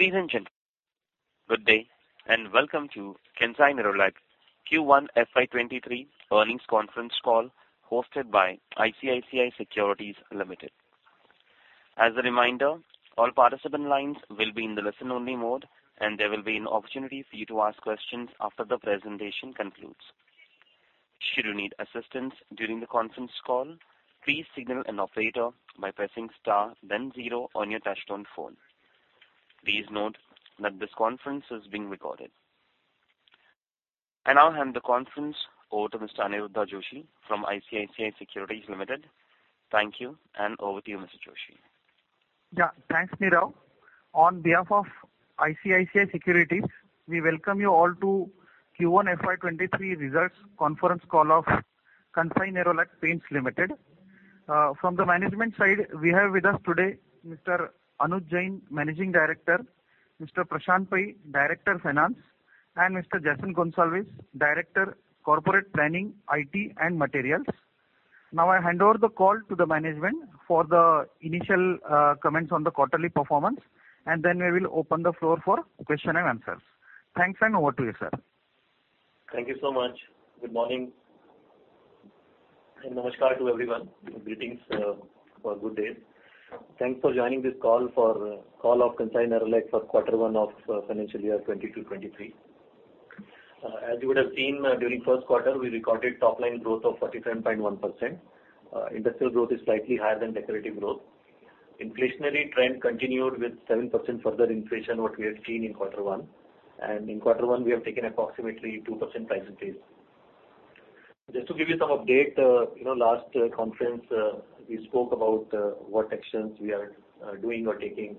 Ladies and gentlemen, good day, and welcome to Kansai Nerolac Q1 FY 2023 earnings conference call hosted by ICICI Securities Limited. As a reminder, all participant lines will be in the listen-only mode, and there will be an opportunity for you to ask questions after the presentation concludes. Should you need assistance during the conference call, please signal an operator by pressing star then zero on your touchtone phone. Please note that this conference is being recorded. I now hand the conference over to Mr. Aniruddha Joshi from ICICI Securities Limited. Thank you, and over to you, Mr. Joshi. Thanks, Nirav. On behalf of ICICI Securities, we welcome you all to Q1 FY23 results conference call of Kansai Nerolac Paints Limited. From the management side, we have with us today Mr. Anuj Jain, Managing Director, Mr. Prashant Pai, Director Finance, and Mr. Jason Gonsalves, Director Corporate Planning, IT and Materials. Now, I hand over the call to the management for the initial comments on the quarterly performance, and then we will open the floor for question and answers. Thanks, and over to you, sir. Thank you so much. Good morning and namaskar to everyone. Greetings for a good day. Thanks for joining this call of Kansai Nerolac for Q1 of financial year 2022/2023. As you would have seen, during Q1, we recorded top line growth of 47.1%. Industrial growth is slightly higher than decorative growth. Inflationary trend continued with 7% further inflation what we have seen in Q1. In Q1, we have taken approximately 2% price increase. Just to give you some update, you know, last conference, we spoke about what actions we are doing or taking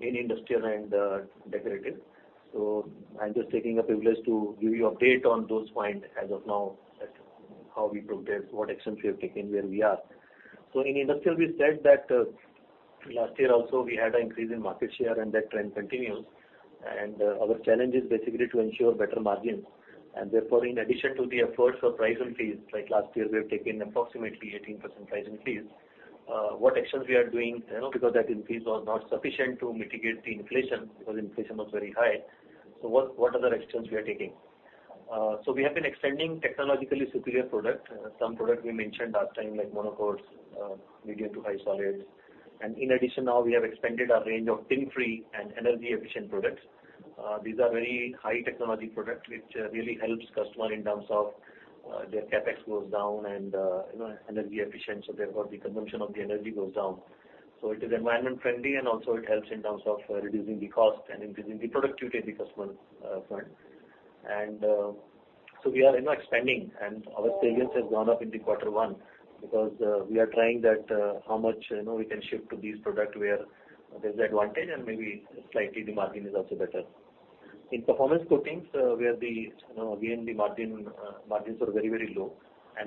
in industrial and decorative. I'm just taking a privilege to give you update on those points as of now that how we progressed, what actions we have taken, where we are. In industrial, we said that last year also we had an increase in market share and that trend continues. Our challenge is basically to ensure better margins. Therefore, in addition to the efforts of price and fees, like last year we have taken approximately 18% price increase, what actions we are doing, you know, because that increase was not sufficient to mitigate the inflation because inflation was very high. What are the actions we are taking? We have been extending technologically superior product. Some product we mentioned last time, like monocoats, medium to high solids. In addition, now we have expanded our range of tin-free and energy-efficient products. These are very high technology product which really helps customer in terms of their CapEx goes down and you know energy efficient, so therefore the consumption of the energy goes down. It is environment friendly, and also it helps in terms of reducing the cost and increasing the productivity of the customer point. We are you know expanding and our salience has gone up in the Q1 because we are trying that how much you know we can shift to these product where there's the advantage and maybe slightly the margin is also better. In performance coatings, where you know again the margins are very very low.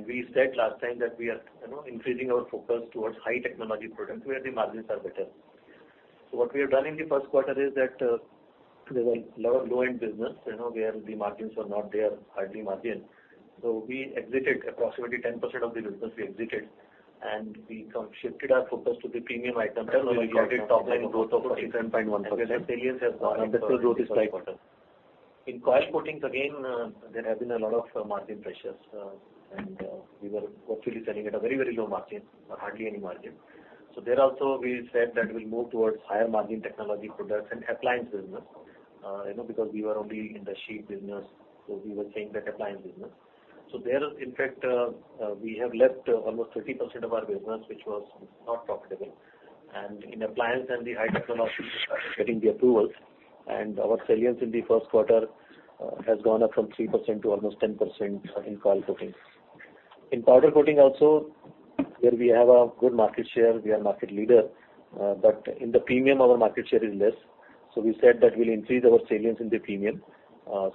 We said last time that we are you know increasing our focus towards high technology products where the margins are better. What we have done in the Q1 is that there's a lot of low-end business, you know, where the margins are not there, hardly margin. We exited approximately 10% of the business, and we shifted our focus to the premium items where we got a and the salience has gone up in the Q1. In coil coatings, again, there have been a lot of margin pressures. We were hopefully selling at a very, very low margin or hardly any margin. There also we said that we'll move towards higher margin technology products and appliance business, you know, because we were only in the sheet business, so we were saying that appliance business. There, in fact, we have left almost 30% of our business which was not profitable. In appliance and the high technology getting the approvals and our salience in the Q1 has gone up from 3% to almost 10% in coil coatings. In powder coating also, where we have a good market share, we are market leader. But in the premium our market share is less, so we said that we'll increase our salience in the premium.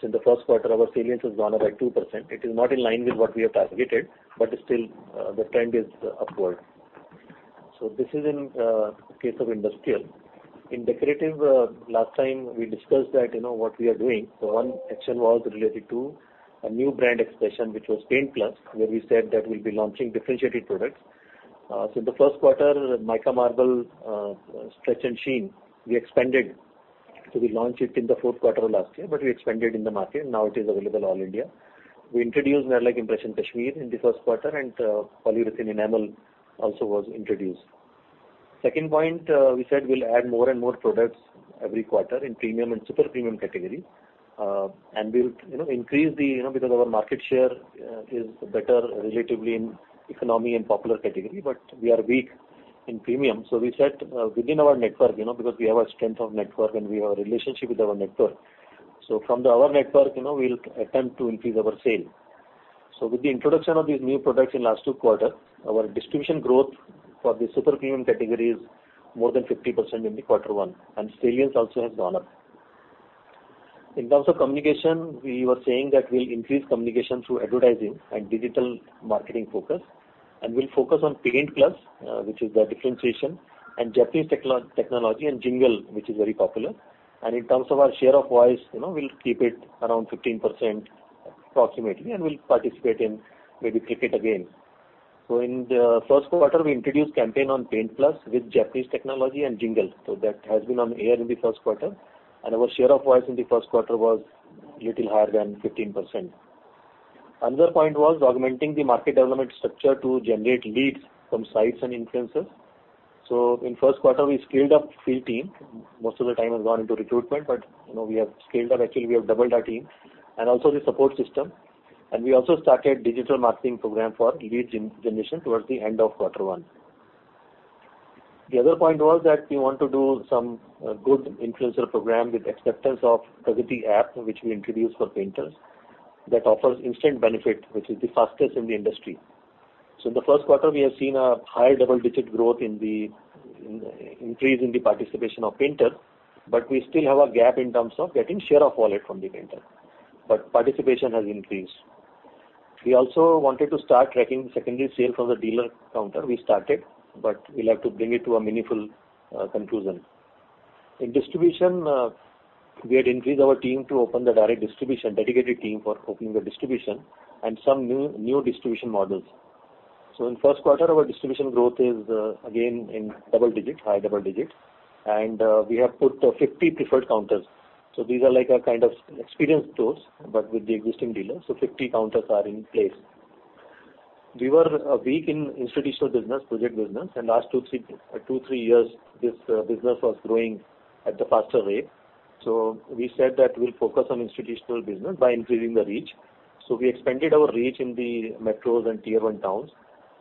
In the Q1, our salience has gone up by 2%. It is not in line with what we have targeted, but still, the trend is upward. This is in case of industrial. In decorative, last time we discussed that, you know, what we are doing. One action was related to a new brand expression, which was Paint+, where we said that we'll be launching differentiated products. In the Q1, Mica Marble Stretch and Sheen, we expanded. We launched it in the Q4 last year, but we expanded in the market. Now it is available all India. We introduced Nerolac Impressions Kashmir in the Q1, and polyurethane enamel also was introduced. Second point, we said we'll add more and more products every quarter in premium and super premium category. And we'll, you know, increase the, you know, because our market share is better relatively in economy and popular category, but we are weak in premium. We said, within our network, you know, because we have a strength of network and we have a relationship with our network. From our network, you know, we'll attempt to increase our sale. With the introduction of these new products in last two quarters, our distribution growth for the super premium category is more than 50% in Q1, and salience also has gone up. In terms of communication, we were saying that we'll increase communication through advertising and digital marketing focus. We'll focus on Paint+, which is the differentiation and Japanese technology and jingle, which is very popular. In terms of our share of voice, you know, we'll keep it around 15% approximately, and we'll participate in maybe cricket again. In the Q1, we introduced campaign on Paint+ with Japanese technology and jingle. That has been on air in the Q1, and our share of voice in the Q1 was little higher than 15%. Another point was augmenting the market development structure to generate leads from sites and influencers. In Q1, we scaled up field team. Most of the time has gone into recruitment, but, you know, we have scaled up. Actually, we have doubled our team and also the support system. We also started digital marketing program for lead generation towards the end of Q1. The other point was that we want to do some good influencer program with acceptance of Pragati app, which we introduced for painters, that offers instant benefit, which is the fastest in the industry. In the Q1, we have seen a high double-digit growth in the increase in the participation of painter, but we still have a gap in terms of getting share of wallet from the painter, but participation has increased. We also wanted to start tracking secondary sale from the dealer counter. We started, but we'll have to bring it to a meaningful conclusion. In distribution, we had increased our team to open the direct distribution, dedicated team for opening the distribution and some new distribution models. In Q1, our distribution growth is again in double digits, high double digits. We have put 50 preferred counters. These are like a kind of experience stores, but with the existing dealers. Fifty counters are in place. We were weak in institutional business, project business, and last two, three years, this business was growing at the faster rate. We said that we'll focus on institutional business by increasing the reach. We expanded our reach in the metros and tier one towns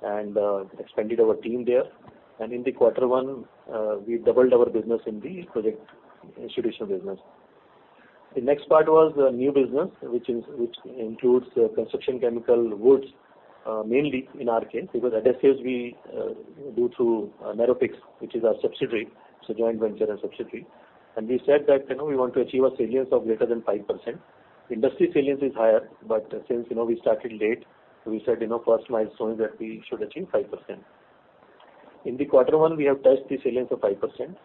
and expanded our team there. In the Q1, we doubled our business in the project institutional business. The next part was the new business, which includes the construction chemical business, mainly in our case, because adhesives we do through Nerofix, which is our subsidiary, it's a joint venture and subsidiary. We said that, you know, we want to achieve a salience of greater than 5%. Industry salience is higher, but since, you know, we started late, we said, you know, first milestone is that we should achieve 5%. In the Q1, we have touched the salience of 5%.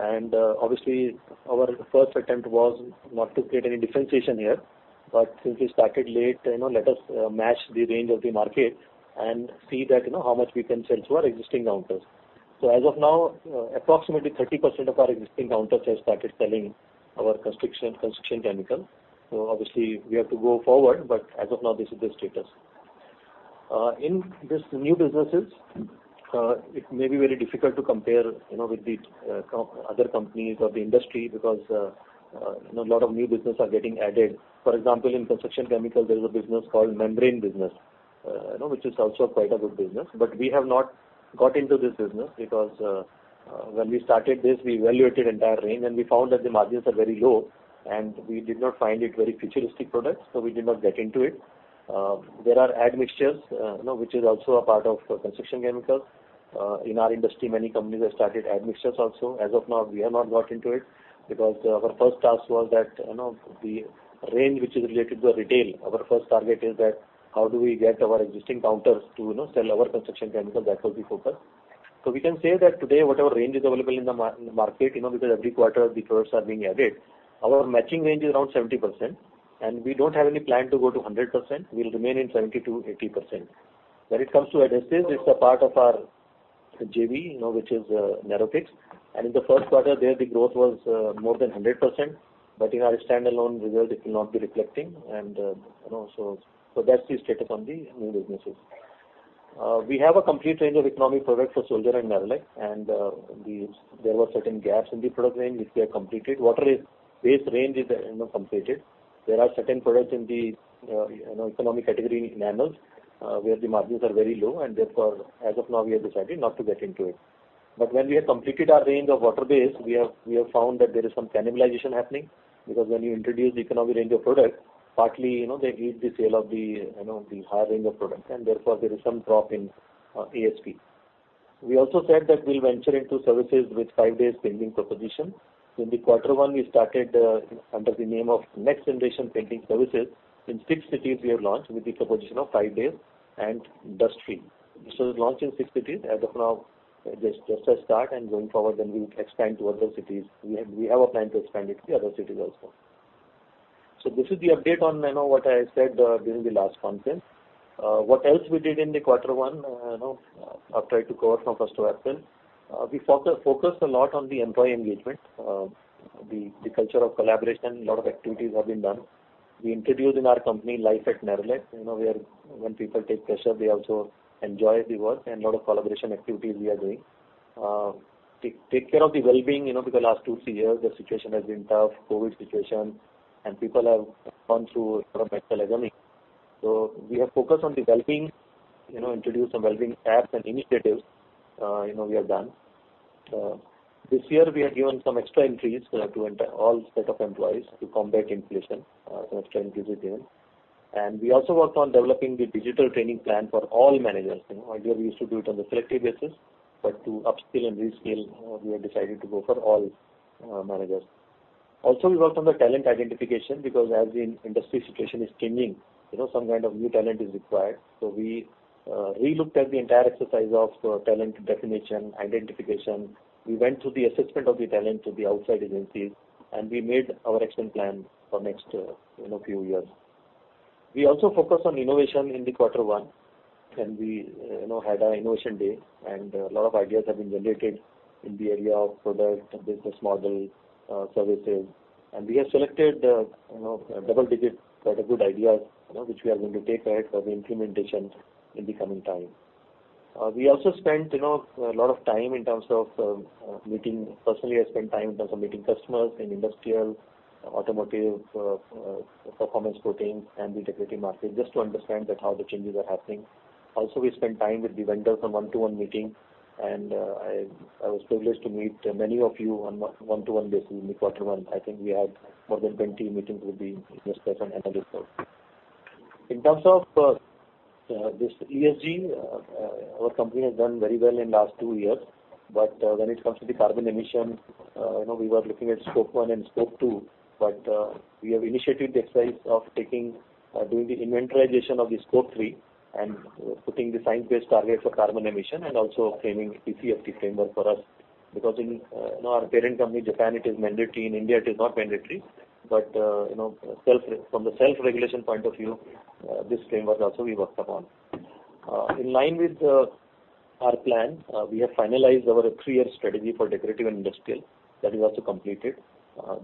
Obviously our first attempt was not to create any differentiation here. Since we started late, you know, let us match the range of the market and see that, you know, how much we can sell to our existing counters. As of now, approximately 30% of our existing counters have started selling our construction chemical. Obviously we have to go forward, but as of now, this is the status. In these new businesses, it may be very difficult to compare, you know, with the other companies or the industry because, you know, a lot of new business are getting added. For example, in construction chemical, there is a business called membrane business, you know, which is also quite a good business. We have not got into this business because, when we started this, we evaluated entire range, and we found that the margins are very low, and we did not find it very futuristic products, so we did not get into it. There are admixtures, you know, which is also a part of construction chemicals. In our industry, many companies have started admixtures also. As of now, we have not got into it because our first task was that, you know, the range which is related to the retail, our first target is that how do we get our existing counters to, you know, sell our construction chemicals? That was the focus. We can say that today, whatever range is available in the market, you know, because every quarter the products are being added, our matching range is around 70%, and we don't have any plan to go to 100%. We'll remain in 70%-80%. When it comes to adhesives, it's a part of our JV, you know, which is Nerofix. In the Q1 there, the growth was more than 100%. In our standalone result, it will not be reflecting. You know, so that's the status on the new businesses. We have a complete range of economic products for Soldier and Nerolac, and there were certain gaps in the product range which we have completed. Water-based range is, you know, completed. There are certain products in the, you know, economic category in Nanos, where the margins are very low and therefore, as of now, we have decided not to get into it. When we have completed our range of water-based, we have found that there is some cannibalization happening because when you introduce economic range of product, partly, you know, they eat the sales of the, you know, the higher range of product and therefore there is some drop in ASP. We also said that we'll venture into services with five days painting proposition. In the Q1, we started under the name of NxtGen Painting Services. In six cities we have launched with the proposition of five days and dust-free. This was launched in six cities. As of now, just a start, and going forward, we'll expand to other cities. We have a plan to expand it to the other cities also. This is the update on, you know, what I said during the last conference. What else we did in Q1? You know, I'll try to cover from first to last page. We focused a lot on the employee engagement. The culture of collaboration, a lot of activities have been done. We introduced in our company Life at Nerolac. You know, we are when people take pressure, they also enjoy the work and a lot of collaboration activities we are doing. Take care of the wellbeing, you know, because last two, three years, the situation has been tough, COVID situation, and people have gone through a lot of mental agony. We have focused on the well-being, you know, introduced some well-being apps and initiatives, you know, we have done. This year, we have given some extra increase to the entire set of employees to combat inflation, some extra increase we've given. We also worked on developing the digital training plan for all managers. You know, earlier we used to do it on the selective basis, but to upskill and reskill, we have decided to go for all managers. We worked on the talent identification because as the industry situation is changing, you know, some kind of new talent is required. We relooked at the entire exercise of talent definition, identification. We went through the assessment of the talent to the outside agencies, and we made our action plan for next, you know, few years. We also focus on innovation in the Q1, and we, you know, had our innovation day, and a lot of ideas have been generated in the area of product, business model, services. We have selected, you know, double digit, quite a good ideas, you know, which we are going to take ahead for the implementation in the coming time. We also spent, you know, a lot of time in terms of meeting. Personally, I spent time in terms of meeting customers in industrial, automotive, performance coatings and decorative market, just to understand that how the changes are happening. We spent time with the vendors on one-to-one meetings, and I was privileged to meet many of you on one-to-one basis in Q1. I think we had more than 20 meetings with the business partners and other folks. In terms of this ESG, our company has done very well in last two years. When it comes to the carbon emission, you know, we were looking at Scope 1 and Scope 2, but we have initiated the exercise of doing the inventorization of the Scope 3 and putting the science-based target for carbon emission and also framing TCFD framework for us. Because in our parent company, Japan, it is mandatory. In India, it is not mandatory. You know, from the self-regulation point of view, this framework also we worked upon. In line with our plan, we have finalized our three-year strategy for decorative and industrial. That is also completed.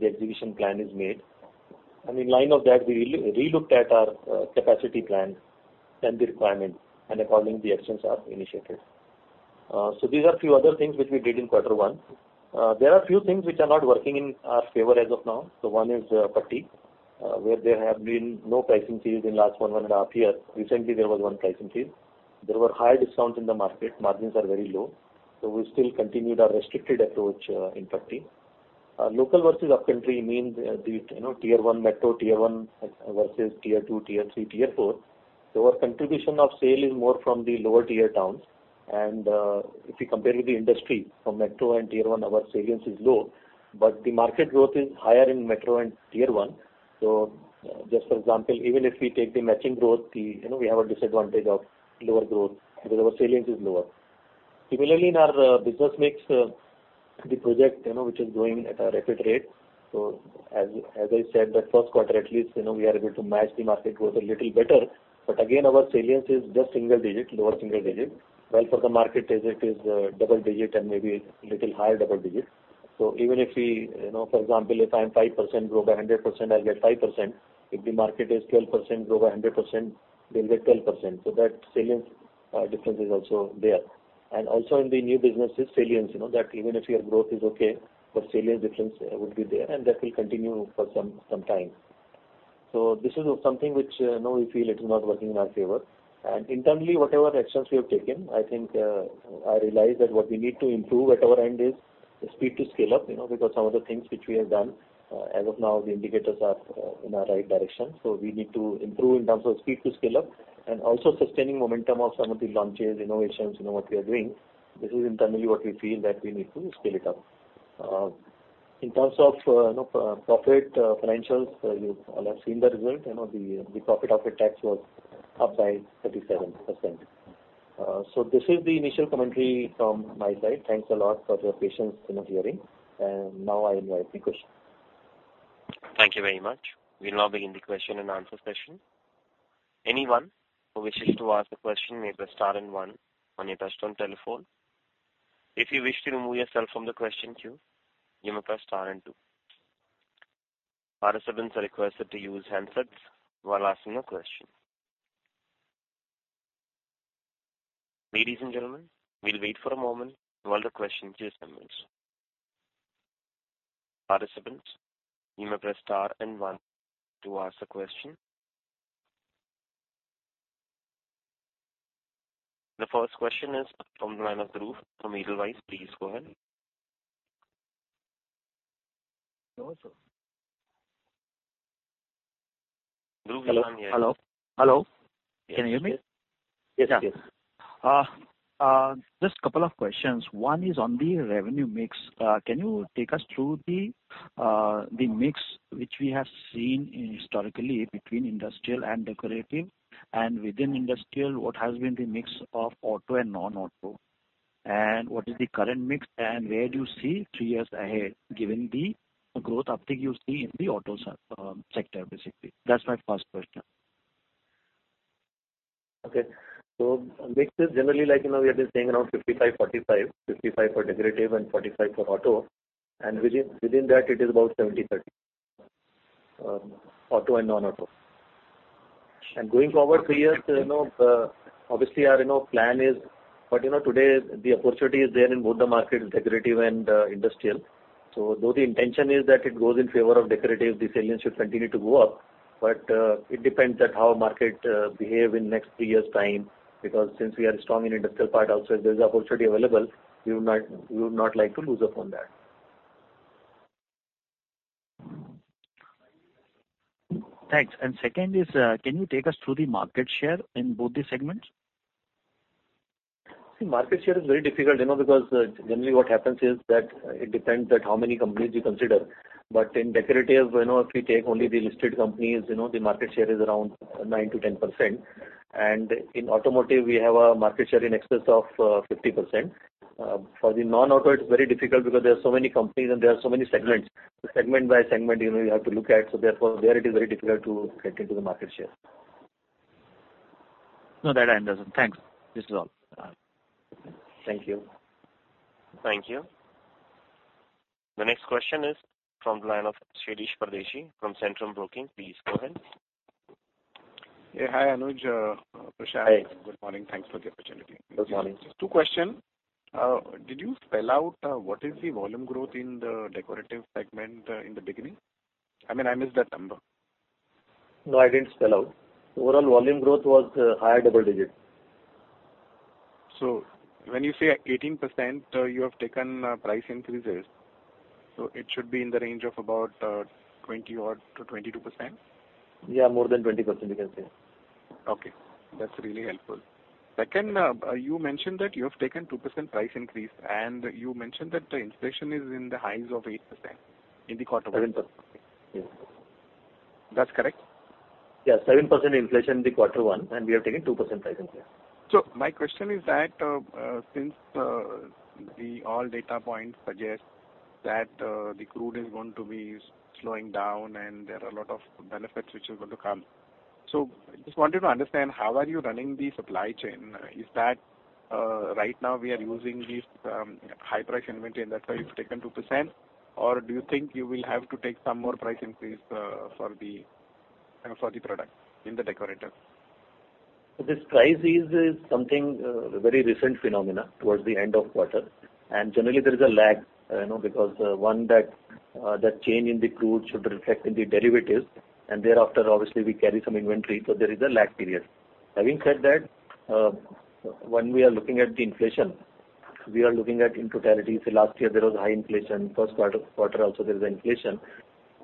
The exhibition plan is made. In line of that, we re-looked at our capacity plan and the requirement, and accordingly the actions are initiated. These are few other things which we did in Q1. There are few things which are not working in our favor as of now. One is putty, where there have been no price hikes in last one and a half year. Recently, there was one price hike. There were high discounts in the market. Margins are very low. We still continued our restricted approach in putty. Our local versus upcountry means the, you know, tier one metro, tier one versus tier two, tier three, tier four. Our contribution of sale is more from the lower tier towns, and if you compare with the industry, from metro and tier one, our salience is low. The market growth is higher in metro and tier one. Just for example, even if we take the matching growth, you know, we have a disadvantage of lower growth because our salience is lower. Similarly, in our business mix, the project, you know, which is growing at a rapid rate. As I said that Q1 at least, you know, we are able to match the market growth a little better. Again, our salience is just single digit, lower single digit, while for the market is double digit and maybe little higher double digit. Even if we, you know, for example, if I am 5% grow by 100%, I'll get 5%. If the market is 12% grow by 100%, they'll get 12%. That salience difference is also there. In the new businesses, salience, you know, that even if your growth is okay, but salience difference would be there, and that will continue for some time. This is something which now we feel it is not working in our favor. Internally, whatever actions we have taken, I think, I realize that what we need to improve at our end is the speed to scale up, you know, because some of the things which we have done, as of now the indicators are in our right direction. We need to improve in terms of speed to scale up and also sustaining momentum of some of the launches, innovations, you know, what we are doing. This is internally what we feel that we need to scale it up. In terms of, you know, profit, financials, you all have seen the result. You know, the profit after tax was up by 37%. This is the initial commentary from my side. Thanks a lot for your patience in hearing. Now I invite the question. Thank you very much. We'll now begin the question and answer session. Anyone who wishes to ask a question may press star and one on your touchtone telephone. If you wish to remove yourself from the question queue, you may press star and two. Participants are requested to use handsets while asking a question. Ladies and gentlemen, we'll wait for a moment while the questions assemble. Participants, you may press star and one to ask a question. The first question is from the line of Dhruv from Edelweiss. Please go ahead. Hello, sir. Dhruv, you're on mute. Hello. Hello. Can you hear me? Yes. Yes. Yeah. Just couple of questions. One is on the revenue mix. Can you take us through the mix which we have seen historically between industrial and decorative? And within industrial, what has been the mix of auto and non-auto? And what is the current mix, and where do you see three years ahead, given the growth uptick you see in the auto sector, basically? That's my first question. Okay. Mix is generally like, you know, we have been saying around 55%-45%. 55% for decorative and 45% for auto. Within that, it is about 70%-30%, auto and non-auto. Going forward three years, you know, obviously our plan is. Today the opportunity is there in both the markets, in decorative and industrial. Though the intention is that it goes in favor of decorative, the salience should continue to go up, it depends on how the market behaves in next three years' time. Because since we are strong in industrial part also, if there's opportunity available, we would not like to lose out on that. Thanks. Second is, can you take us through the market share in both the segments? See, market share is very difficult, you know, because generally what happens is that it depends on how many companies you consider. In decorative, you know, if we take only the listed companies, you know, the market share is around 9%-10%. In automotive, we have a market share in excess of 50%. For the non-auto, it's very difficult because there are so many companies and there are so many segments. Segment by segment, you know, you have to look at, so therefore it is very difficult to get into the market share. No, that end does. Thanks. This is all. Thank you. Thank you. The next question is from the line of Shirish Pardeshi from Centrum Broking. Please go ahead. Yeah. Hi, Anuj, Prashant. Hi. Good morning. Thanks for the opportunity. Good morning. Two questions. Did you spell out what is the volume growth in the decorative segment in the beginning? I mean, I missed that number. No, I didn't spell out. Overall volume growth was high double-digit. When you say 18%, you have taken price increases, so it should be in the range of about 20-odd to 22%? Yeah, more than 20% you can say. Okay. That's really helpful. Second, you mentioned that you have taken 2% price increase, and you mentioned that the inflation is in the highs of 8% in the Q1. 7%. Yeah. That's correct? Yeah, 7% inflation in the Q1, and we have taken 2% price increase. My question is that, since all data points suggest that, the crude is going to be slowing down and there are a lot of benefits which is going to come, just wanted to understand how are you running the supply chain? Is that, right now we are using these high price inventory and that's why you've taken 2%, or do you think you will have to take some more price increase, for the product in the decorative? This price ease is something very recent phenomenon towards the end of quarter. Generally, there is a lag, you know, because one that change in the crude should reflect in the derivatives, and thereafter obviously we carry some inventory, so there is a lag period. Having said that, when we are looking at the inflation, we are looking at in totality. Last year there was high inflation. Q1 also there was inflation.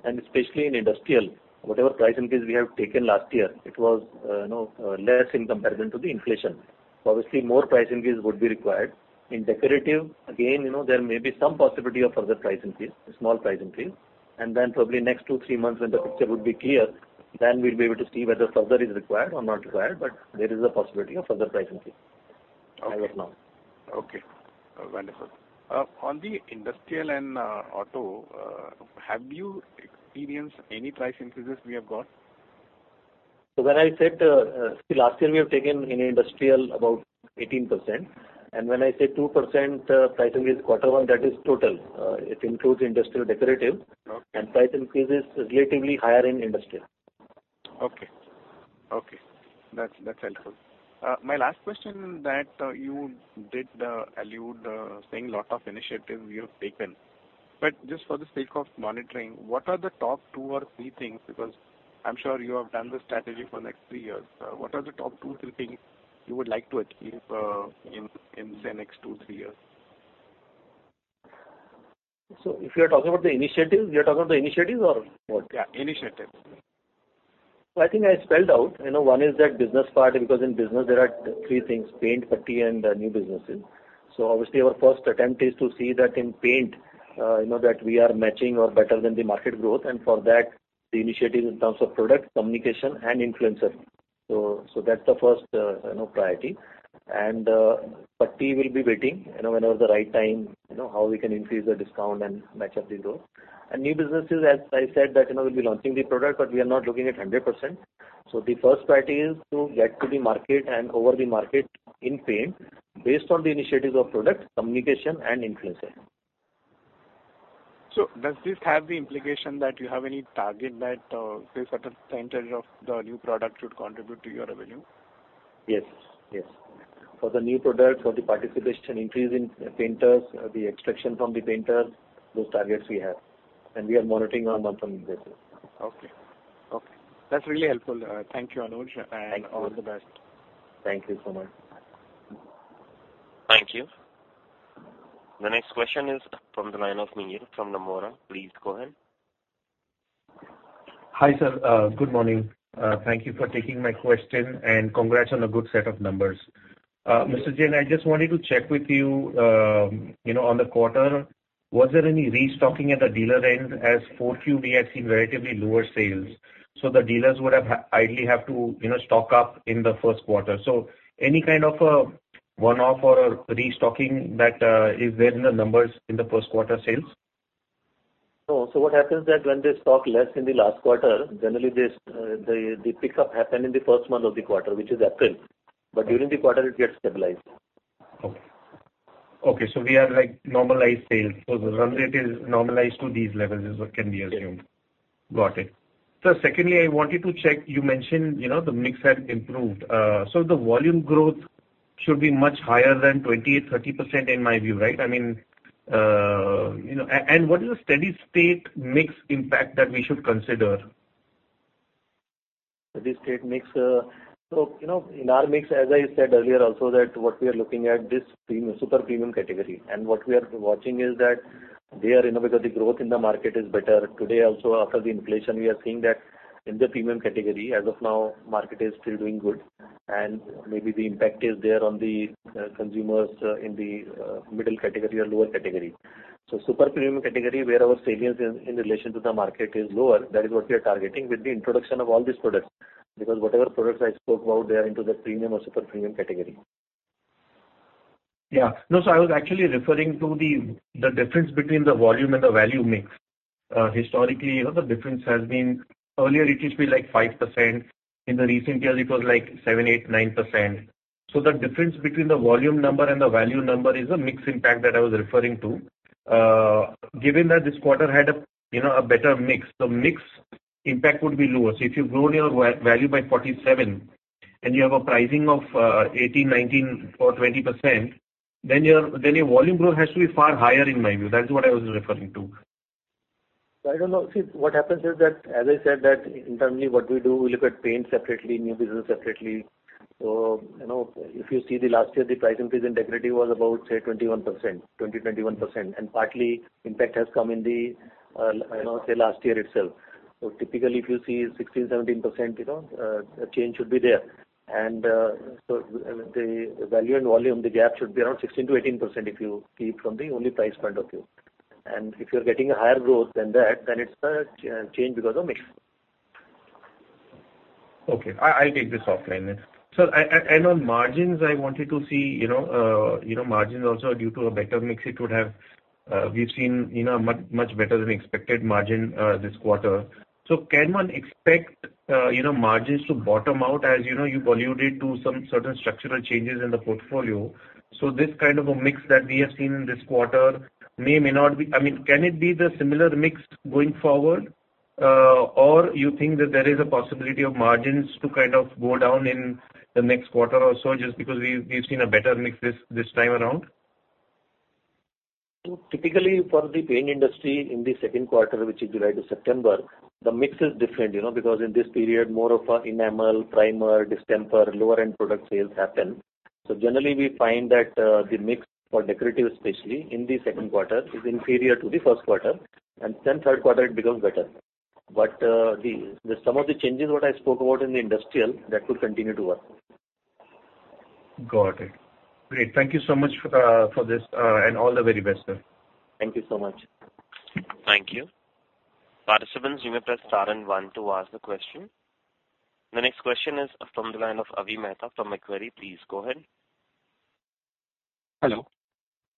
Especially in industrial, whatever price increase we have taken last year, it was, you know, less in comparison to the inflation. Obviously more price increase would be required. In decorative, again, you know, there may be some possibility of further price increase, small price increase. Then probably next two-three months when the picture would be clear, then we'll be able to see whether further is required or not required. There is a possibility of further price increase as of now. Okay. Wonderful. On the industrial and auto, have you experienced any price increases we have got? When I said, last year we have taken in industrial about 18%. When I say 2% price increase Q1, that is total. It includes industrial, decorative. Okay. Price increase is relatively higher in industrial. Okay. That's helpful. My last question that you did allude saying lot of initiative you have taken. Just for the sake of monitoring, what are the top two or three things? Because I'm sure you have done the strategy for next three years. What are the top two, three things you would like to achieve in the next two, three years? If you are talking about the initiatives, you are talking about the initiatives or what? Yeah, initiatives. I think I spelled out. You know, one is that business part, because in business there are three things, paint, putty, and new businesses. Obviously our first attempt is to see that in paint, you know, that we are matching or better than the market growth, and for that the initiative in terms of product, communication and influencer. That's the first, you know, priority. Putty will be waiting, you know, whenever the right time, you know, how we can increase the discount and match up the growth. New businesses, as I said, that, you know, we'll be launching the product, but we are not looking at 100%. The first priority is to get to the market and over the market in Paint based on the initiatives of product, communication and influencer. Does this have the implication that you have any target that, say a certain percentage of the new product should contribute to your revenue? Yes. Yes. For the new product, for the participation increase in painters, the extraction from the painters, those targets we have, and we are monitoring on month-over-month basis. Okay. That's really helpful. Thank you, Anuj. Thank you. All the best. Thank you so much. Thank you. The next question is from the line of Mihir Shah from Nomura. Please go ahead. Hi, sir. Good morning. Thank you for taking my question, and congrats on a good set of numbers. Mr. Jain, I just wanted to check with you, on the quarter, was there any restocking at the dealer end? As Q4, we have seen relatively lower sales, so the dealers would have ideally have to stock up in the Q1. Any kind of one-off or restocking that is there in the numbers in the Q1 sales? No. What happens that when they stock less in the last quarter, generally this, the pickup happen in the first month of the quarter, which is April. During the quarter it gets stabilized. Okay. We are like normalized sales. The run rate is normalized to these levels is what can be assumed. Yes. Got it. Secondly, I wanted to check, you mentioned, you know, the mix had improved. The volume growth should be much higher than 20%-30% in my view, right? I mean, you know, and what is the steady-state mix impact that we should consider? Steady state mix. You know, in our mix, as I said earlier also that what we are looking at this premium, super premium category. What we are watching is that they are innovative. The growth in the market is better. Today also after the inflation, we are seeing that in the premium category as of now, market is still doing good. Maybe the impact is there on the consumers in the middle category or lower category. Super premium category where our sales in relation to the market is lower, that is what we are targeting with the introduction of all these products. Because whatever products I spoke about, they are into the premium or super premium category. I was actually referring to the difference between the volume and the value mix. Historically, you know, the difference has been earlier it used to be like 5%. In recent years, it was like 7%, 8%, 9%. The difference between the volume number and the value number is a mix impact that I was referring to. Given that this quarter had a, you know, a better mix, the mix impact would be lower. If you've grown your value by 47% and you have a pricing of 18%, 19% or 20%, then your volume growth has to be far higher in my view. That's what I was referring to. I don't know. What happens is that, as I said that internally what we do, we look at paint separately, new business separately. If you see the last year, the price increase in decorative was about 21%. Partial impact has come in the last year itself. Typically, if you see 16%-17% change should be there. The value and volume, the gap should be around 16%-18% if you see it from the only price point of view. If you're getting a higher growth than that, then it's a change because of mix. I'll take this offline then. On margins, I wanted to see, you know, margins also due to a better mix it would have, we've seen, you know, much better than expected margin this quarter. Can one expect, you know, margins to bottom out, as you know, you alluded to some certain structural changes in the portfolio. This kind of a mix that we have seen in this quarter may or may not be. I mean, can it be the similar mix going forward? Or you think that there is a possibility of margins to kind of go down in the next quarter or so, just because we've seen a better mix this time around? Typically for the paint industry in the second quarter, which is July to September, the mix is different, you know, because in this period more of a enamel, primer, distemper, lower-end product sales happen. Generally we find that the mix for decorative especially in the second quarter is inferior to the Q1, and then third quarter it becomes better. Some of the changes what I spoke about in the industrial, that will continue to work. Got it. Great. Thank you so much for this, and all the very best, sir. Thank you so much. Thank you. Participants, you may press star and one to ask the question. The next question is from the line of Avi Mehta from Macquarie. Please go ahead.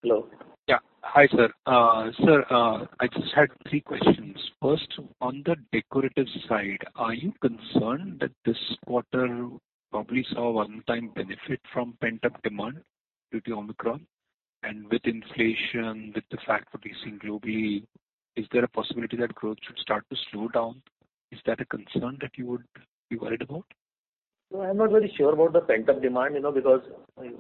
Hello. Hello. Yeah. Hi, sir. I just had three questions. First, on the decorative side, are you concerned that this quarter probably saw one-time benefit from pent-up demand due to Omicron? With inflation, with the factories increasing globally, is there a possibility that growth should start to slow down? Is that a concern that you would be worried about? No, I'm not very sure about the pent-up demand, you know, because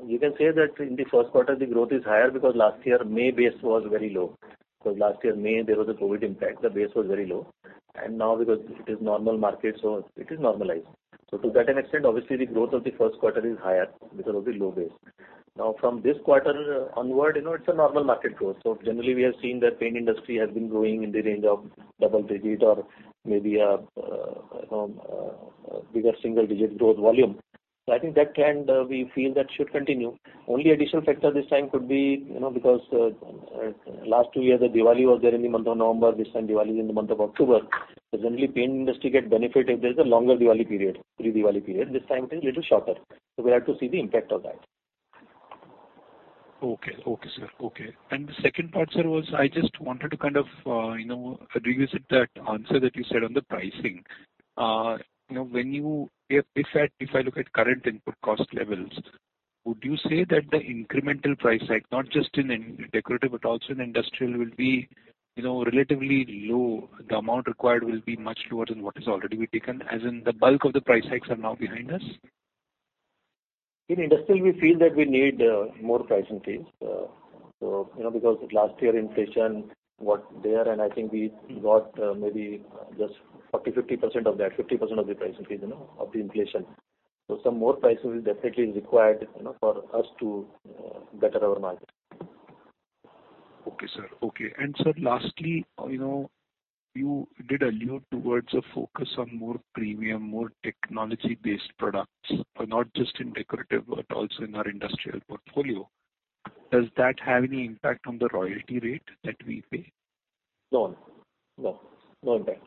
you can say that in the Q1 the growth is higher because last year May base was very low. Because last year May, there was a COVID impact, the base was very low. Now because it is normal market, so it is normalized. To that extent, obviously the growth of the Q1 is higher because of the low base. Now from this quarter onward, you know, it's a normal market growth. Generally we have seen that paint industry has been growing in the range of double digit or maybe, you know, bigger single digit growth volume. I think that trend, we feel that should continue. Only additional factor this tie could be, you know, because last two years the Diwali was there in the month of November. This time Diwali is in the month of October. So generally paint industry get benefit if there's a longer Diwali period, pre-Diwali period. This time it is little shorter, so we have to see the impact of that. Okay. Okay, sir. Okay. The second part, sir, was I just wanted to kind of, you know, revisit that answer that you said on the pricing. You know, if I look at current input cost levels, would you say that the incremental price hike, not just in decorative but also in industrial, will be, you know, relatively low, the amount required will be much lower than what has already been taken, as in the bulk of the price hikes are now behind us? In industrial we feel that we need more price increase. You know, because last year inflation was there, and I think we got maybe just 40%-50% of that, 50% of the price increase, you know, of the inflation. Some more prices is definitely required, you know, for us to better our margin. Okay, sir. Okay. Sir, lastly, you know, you did allude towards a focus on more premium, more technology-based products, not just in decorative but also in our industrial portfolio. Does that have any impact on the royalty rate that we pay? No impact.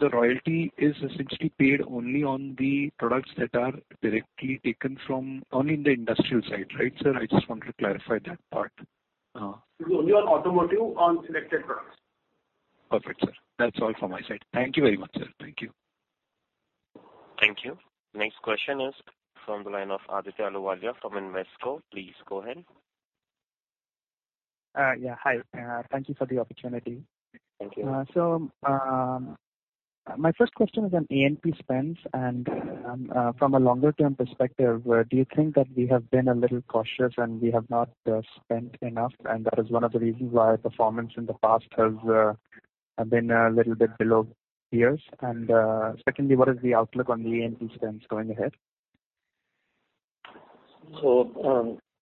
The royalty is essentially paid only on the products that are directly taken only in the industrial side, right, sir? I just wanted to clarify that part. Only on automotive, on selected products. Perfect, sir. That's all from my side. Thank you very much, sir. Thank you. Thank you. Next question is from the line of Aditya Ahluwalia from Invesco. Please go ahead. Yeah. Hi. Thank you for the opportunity. Thank you. My first question is on A&P spends. From a longer term perspective, do you think that we have been a little cautious and we have not spent enough, and that is one of the reasons why our performance in the past has been a little bit below peers? Secondly, what is the outlook on the A&P spends going ahead?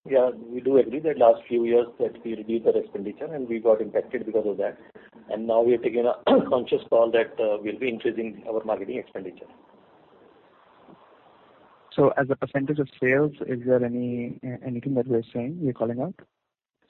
Yeah, we do agree that last few years that we reduced our expenditure and we got impacted because of that. Now we have taken a conscious call that we'll be increasing our marketing expenditure. As a percentage of sales, is there anything that we're seeing, you're calling out?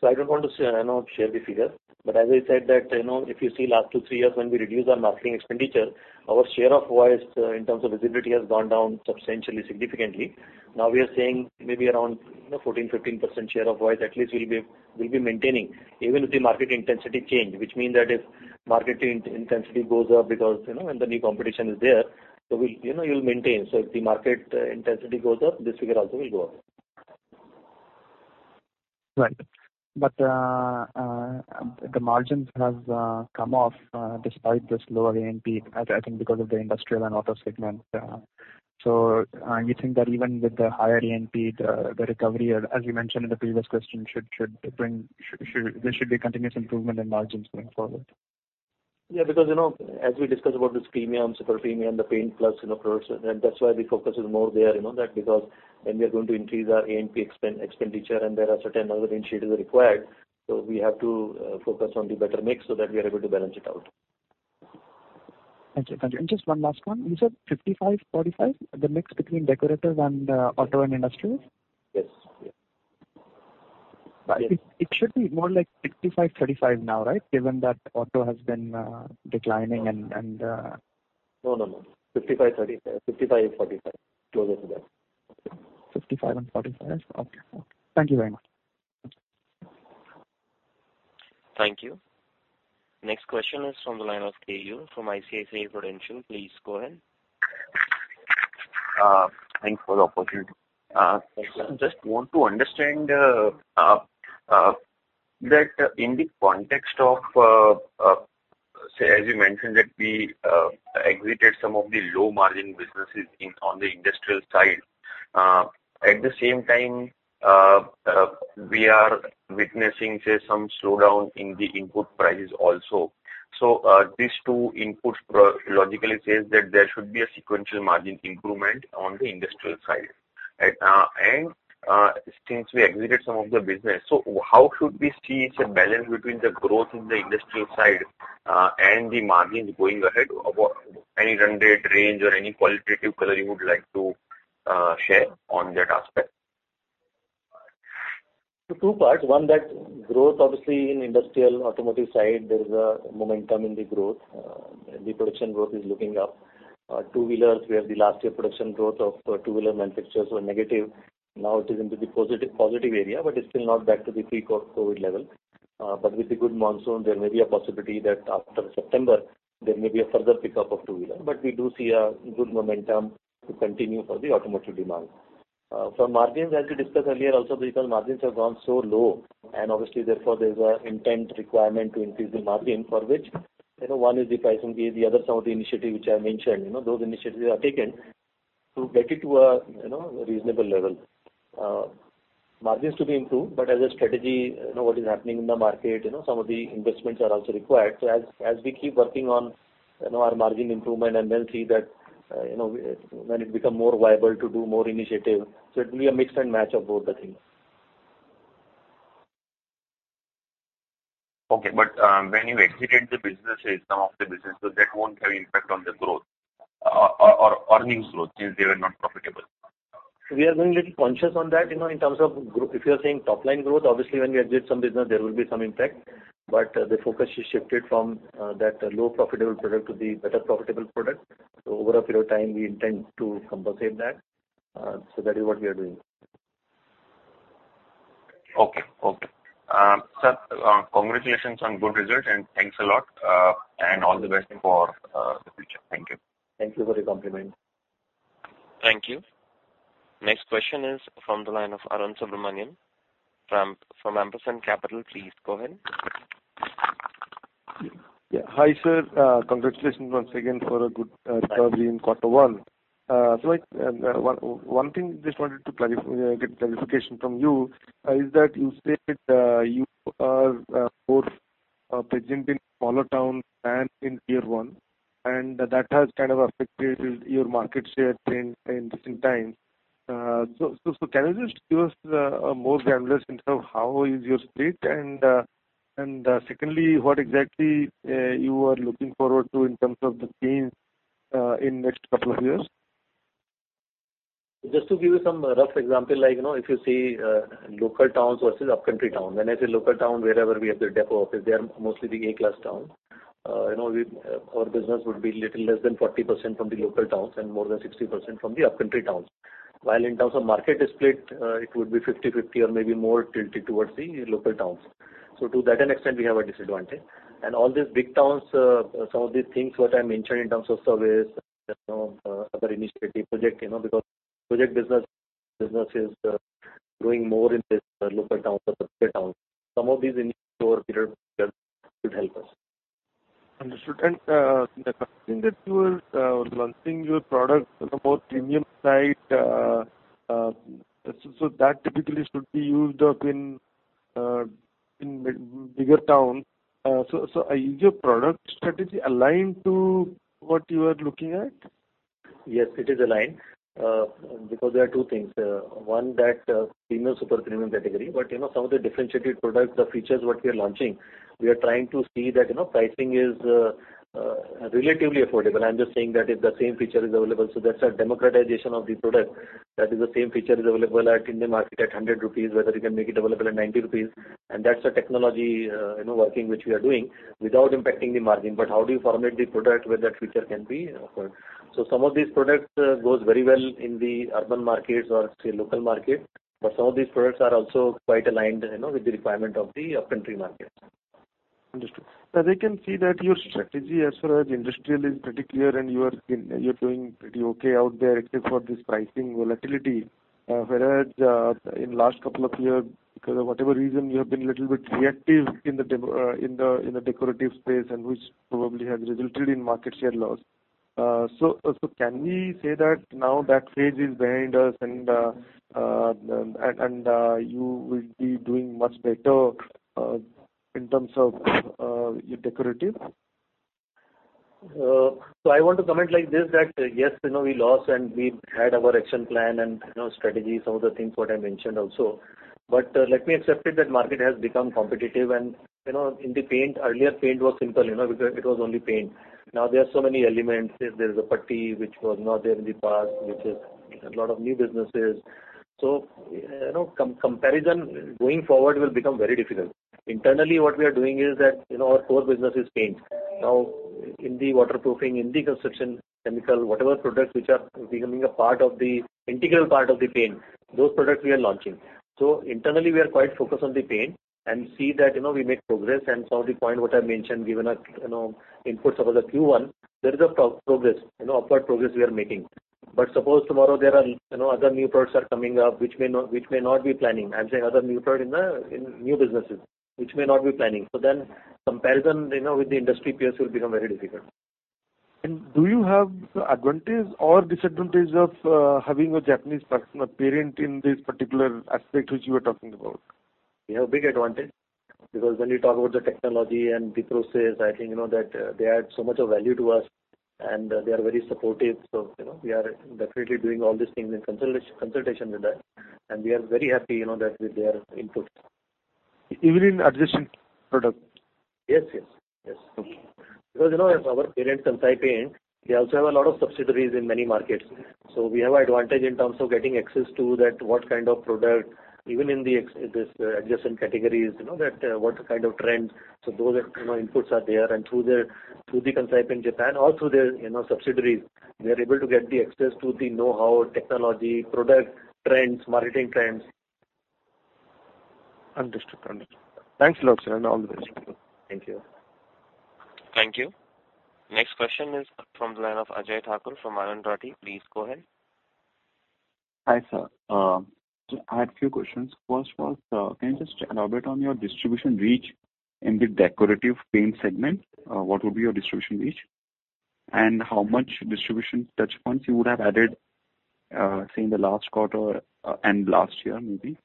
I don't want to say, I know, share the figure, but as I said that, you know, if you see last two-three years when we reduced our marketing expenditure, our share of voice in terms of visibility has gone down substantially, significantly. Now we are saying maybe around, you know, 14%-15% share of voice at least we'll be maintaining even if the market intensity change, which mean that if marketing intensity goes up because, you know, when the new competition is there, so we'll, you know, you'll maintain. If the market intensity goes up, this figure also will go up. Right. The margins have come off despite this lower A&P. I think because of the industrial and auto segment. You think that even with the higher A&P, the recovery, as you mentioned in the previous question, there should be continuous improvement in margins going forward? Yeah, because, you know, as we discuss about this premium, super premium, the Paint+ products, and that's why the focus is more there, you know, that because when we are going to increase our A&P expenditure and there are certain other initiatives required, so we have to focus on the better mix so that we are able to balance it out. Thank you. Thank you. Just one last one. You said 55, 45, the mix between decorators and auto and industrials? Yes. Yes. It should be more like 65/35 now, right? Given that auto has been declining and No, no. 55, 30. 55 and 45, closer to that. 55 and 45. Okay. Thank you very much. Thank you. Next question is from the line of Kunal Shah from ICICI Securities. Please go ahead. Thanks for the opportunity. Just want to understand that in the context of, say as you mentioned that we exited some of the low margin businesses in, on the industrial side. At the same time, we are witnessing, say, some slowdown in the input prices also. These two inputs logically says that there should be a sequential margin improvement on the industrial side. Since we exited some of the business, how should we see some balance between the growth in the industrial side and the margins going ahead? Any run rate range or any qualitative color you would like to share on that aspect? Two parts. One, that growth obviously in industrial automotive side, there is a momentum in the growth. The production growth is looking up. Two-wheelers, where the last year production growth of two-wheeler manufacturers were negative. Now it is into the positive area, but it's still not back to the pre-COVID level. With the good monsoon, there may be a possibility that after September there may be a further pickup of two-wheeler. We do see a good momentum to continue for the automotive demand. For margins, as we discussed earlier also, because margins have gone so low and obviously therefore there's an inherent requirement to increase the margin for which, you know, one is the pricing, the other some of the initiatives which I mentioned. You know, those initiatives are taken to get it to a, you know, reasonable level. Margins to be improved, as a strategy, you know, what is happening in the market, you know, some of the investments are also required. As we keep working on, you know, our margin improvement and then see that, you know, when it become more viable to do more initiative. It'll be a mix and match of both the things. When you exited the businesses, some of the businesses that won't have impact on the growth or earnings growth since they were not profitable. We are being a little conscious on that, you know, in terms of growth. If you are saying top line growth, obviously when we exit some business there will be some impact, but the focus is shifted from that low profitable product to the better profitable product. Over a period of time we intend to compensate that. That is what we are doing. Okay. Sir, congratulations on good results, and thanks a lot. All the best for the future. Thank you. Thank you for the compliment. Thank you. Next question is from the line of Arun Subramanian from Ampersand Capital. Please go ahead. Yeah. Hi, sir. Congratulations once again for a good, probably in Q1. One thing just wanted to get clarification from you is that you said you are more present in smaller towns than in tier one, and that has kind of affected your market share trend in recent times. Can you just give us a more granular sense of how is your split? And secondly, what exactly you are looking forward to in terms of the change in next couple of years? Just to give you some rough example, like, you know, if you see local towns versus upcountry towns. When I say local town, wherever we have the depot office, they are mostly the A-class towns. You know, our business would be little less than 40% from the local towns and more than 60% from the upcountry towns. While in terms of market split, it would be 50/50 or maybe more tilted towards the local towns. To that extent, we have a disadvantage. All these big towns, some of the things what I mentioned in terms of surveys, you know, other initiatives, project, you know, because project business is growing more in these local towns or bigger towns. Some of these initiatives over a period of time should help us. Understood. The company that you are launching your product about premium side, so that typically should be used up in bigger towns. So is your product strategy aligned to what you are looking at? Yes, it is aligned, because there are two things. One, premium, super premium category, but, you know, some of the differentiated products or features what we are launching, we are trying to see that, you know, pricing is relatively affordable. I'm just saying that if the same feature is available, so that's a democratization of the product, that is the same feature is available in the market at 100 rupees, whether you can make it available at 90 rupees. That's the technology, you know, working which we are doing without impacting the margin. How do you formulate the product where that feature can be offered? Some of these products goes very well in the urban markets or, say, local market. Some of these products are also quite aligned, you know, with the requirement of the upcountry market. Understood. Now we can see that your strategy as far as industrial is pretty clear and you are doing pretty okay out there except for this pricing volatility. Whereas in last couple of years, because of whatever reason, you have been little bit reactive in the decorative space and which probably has resulted in market share loss. Can we say that now that phase is behind us and you will be doing much better in terms of your decorative? I want to comment like this, that yes, you know, we lost and we had our action plan and, you know, strategy, some of the things what I mentioned also. Let me accept it that market has become competitive. You know, in the paint, earlier paint was simple, you know, because it was only paint. Now there are so many elements. There's a putty which was not there in the past, which is a lot of new businesses. Comparison going forward will become very difficult. Internally, what we are doing is that, you know, our core business is paint. Now, in the waterproofing, in the construction chemical, whatever products which are becoming a part of the integral part of the paint, those products we are launching. Internally, we are quite focused on the paint and see that, you know, we make progress. Some of the point what I mentioned, given you know, inputs over the Q1, there is a progress, you know, upward progress we are making. Suppose tomorrow there are, you know, other new products are coming up, which may not be planning. I'm saying other new product in new businesses which may not be planning. Then comparison, you know, with the industry peers will become very difficult. Do you have advantage or disadvantage of having a Japanese parent in this particular aspect which you are talking about? We have big advantage because when you talk about the technology and the process, I think you know that they add so much of value to us and they are very supportive. You know, we are definitely doing all these things in consultation with that. We are very happy, you know, that with their input. Even in adjacent product? Yes, yes. Yes. Okay. Because, you know, as our parent Kansai Paint, they also have a lot of subsidiaries in many markets. We have advantage in terms of getting access to that, what kind of product, even in these adjacent categories, you know, that what kind of trends. Those are, you know, inputs are there. Through the Kansai Paint Japan, also there's, you know, subsidiaries. We are able to get the access to the know-how, technology, product trends, marketing trends. Understood. Thanks a lot, sir, and all the best. Thank you. Thank you. Next question is from the line of Ajay Thakur from Anand Rathi. Please go ahead. Hi, sir. I had few questions. First was, can you just elaborate on your distribution reach in the decorative paint segment? What would be your distribution reach? How much distribution touchpoints you would have added, say, in the last quarter, and last year, maybe?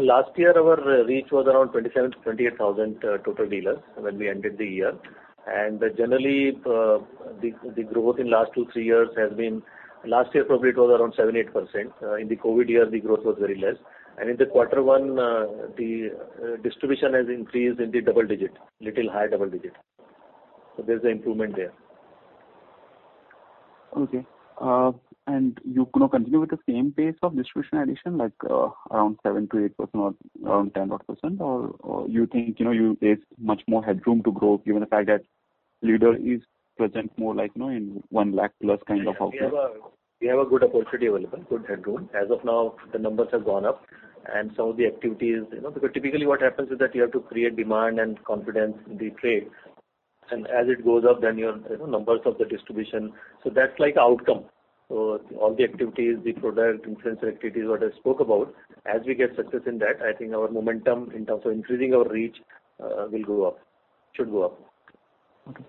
Last year our reach was around 27,000-28,000 total dealers when we ended the year. Generally, the growth in the last two-three years has been. Last year probably it was around 7%-8%. In the COVID year the growth was very less. In Q1, the distribution has increased in the double digits, a little higher double digits. There's an improvement there. Okay. You gonna continue with the same pace of distribution addition, like, around 7%-8% or around 10%? Or you think, you know, you face much more headroom to grow given the fact that leader is present more like, you know, in 1 lakh+ kind of houses. We have a good opportunity available, good headroom. As of now the numbers have gone up and some of the activities, you know. Because typically what happens is that you have to create demand and confidence in the trade. As it goes up then your, you know, numbers of the distribution. That's like outcome. All the activities, the product influencer activities, what I spoke about, as we get success in that, I think our momentum in terms of increasing our reach, will go up. Should go up. Okay.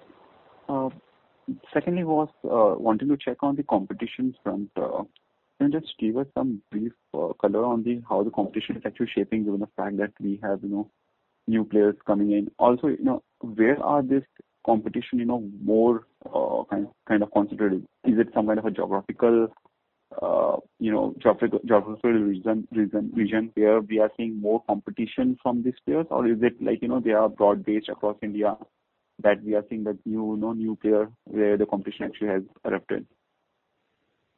Secondly was wanting to check on the competition front. Can you just give us some brief color on how the competition is actually shaping given the fact that we have, you know, new players coming in? Also, you know, where is this competition, you know, more kind of concentrated? Is it some kind of a geographical, you know, region where we are seeing more competition from these players? Or is it like, you know, they are broad-based across India that we are seeing that new, you know, new player where the competition actually has erupted?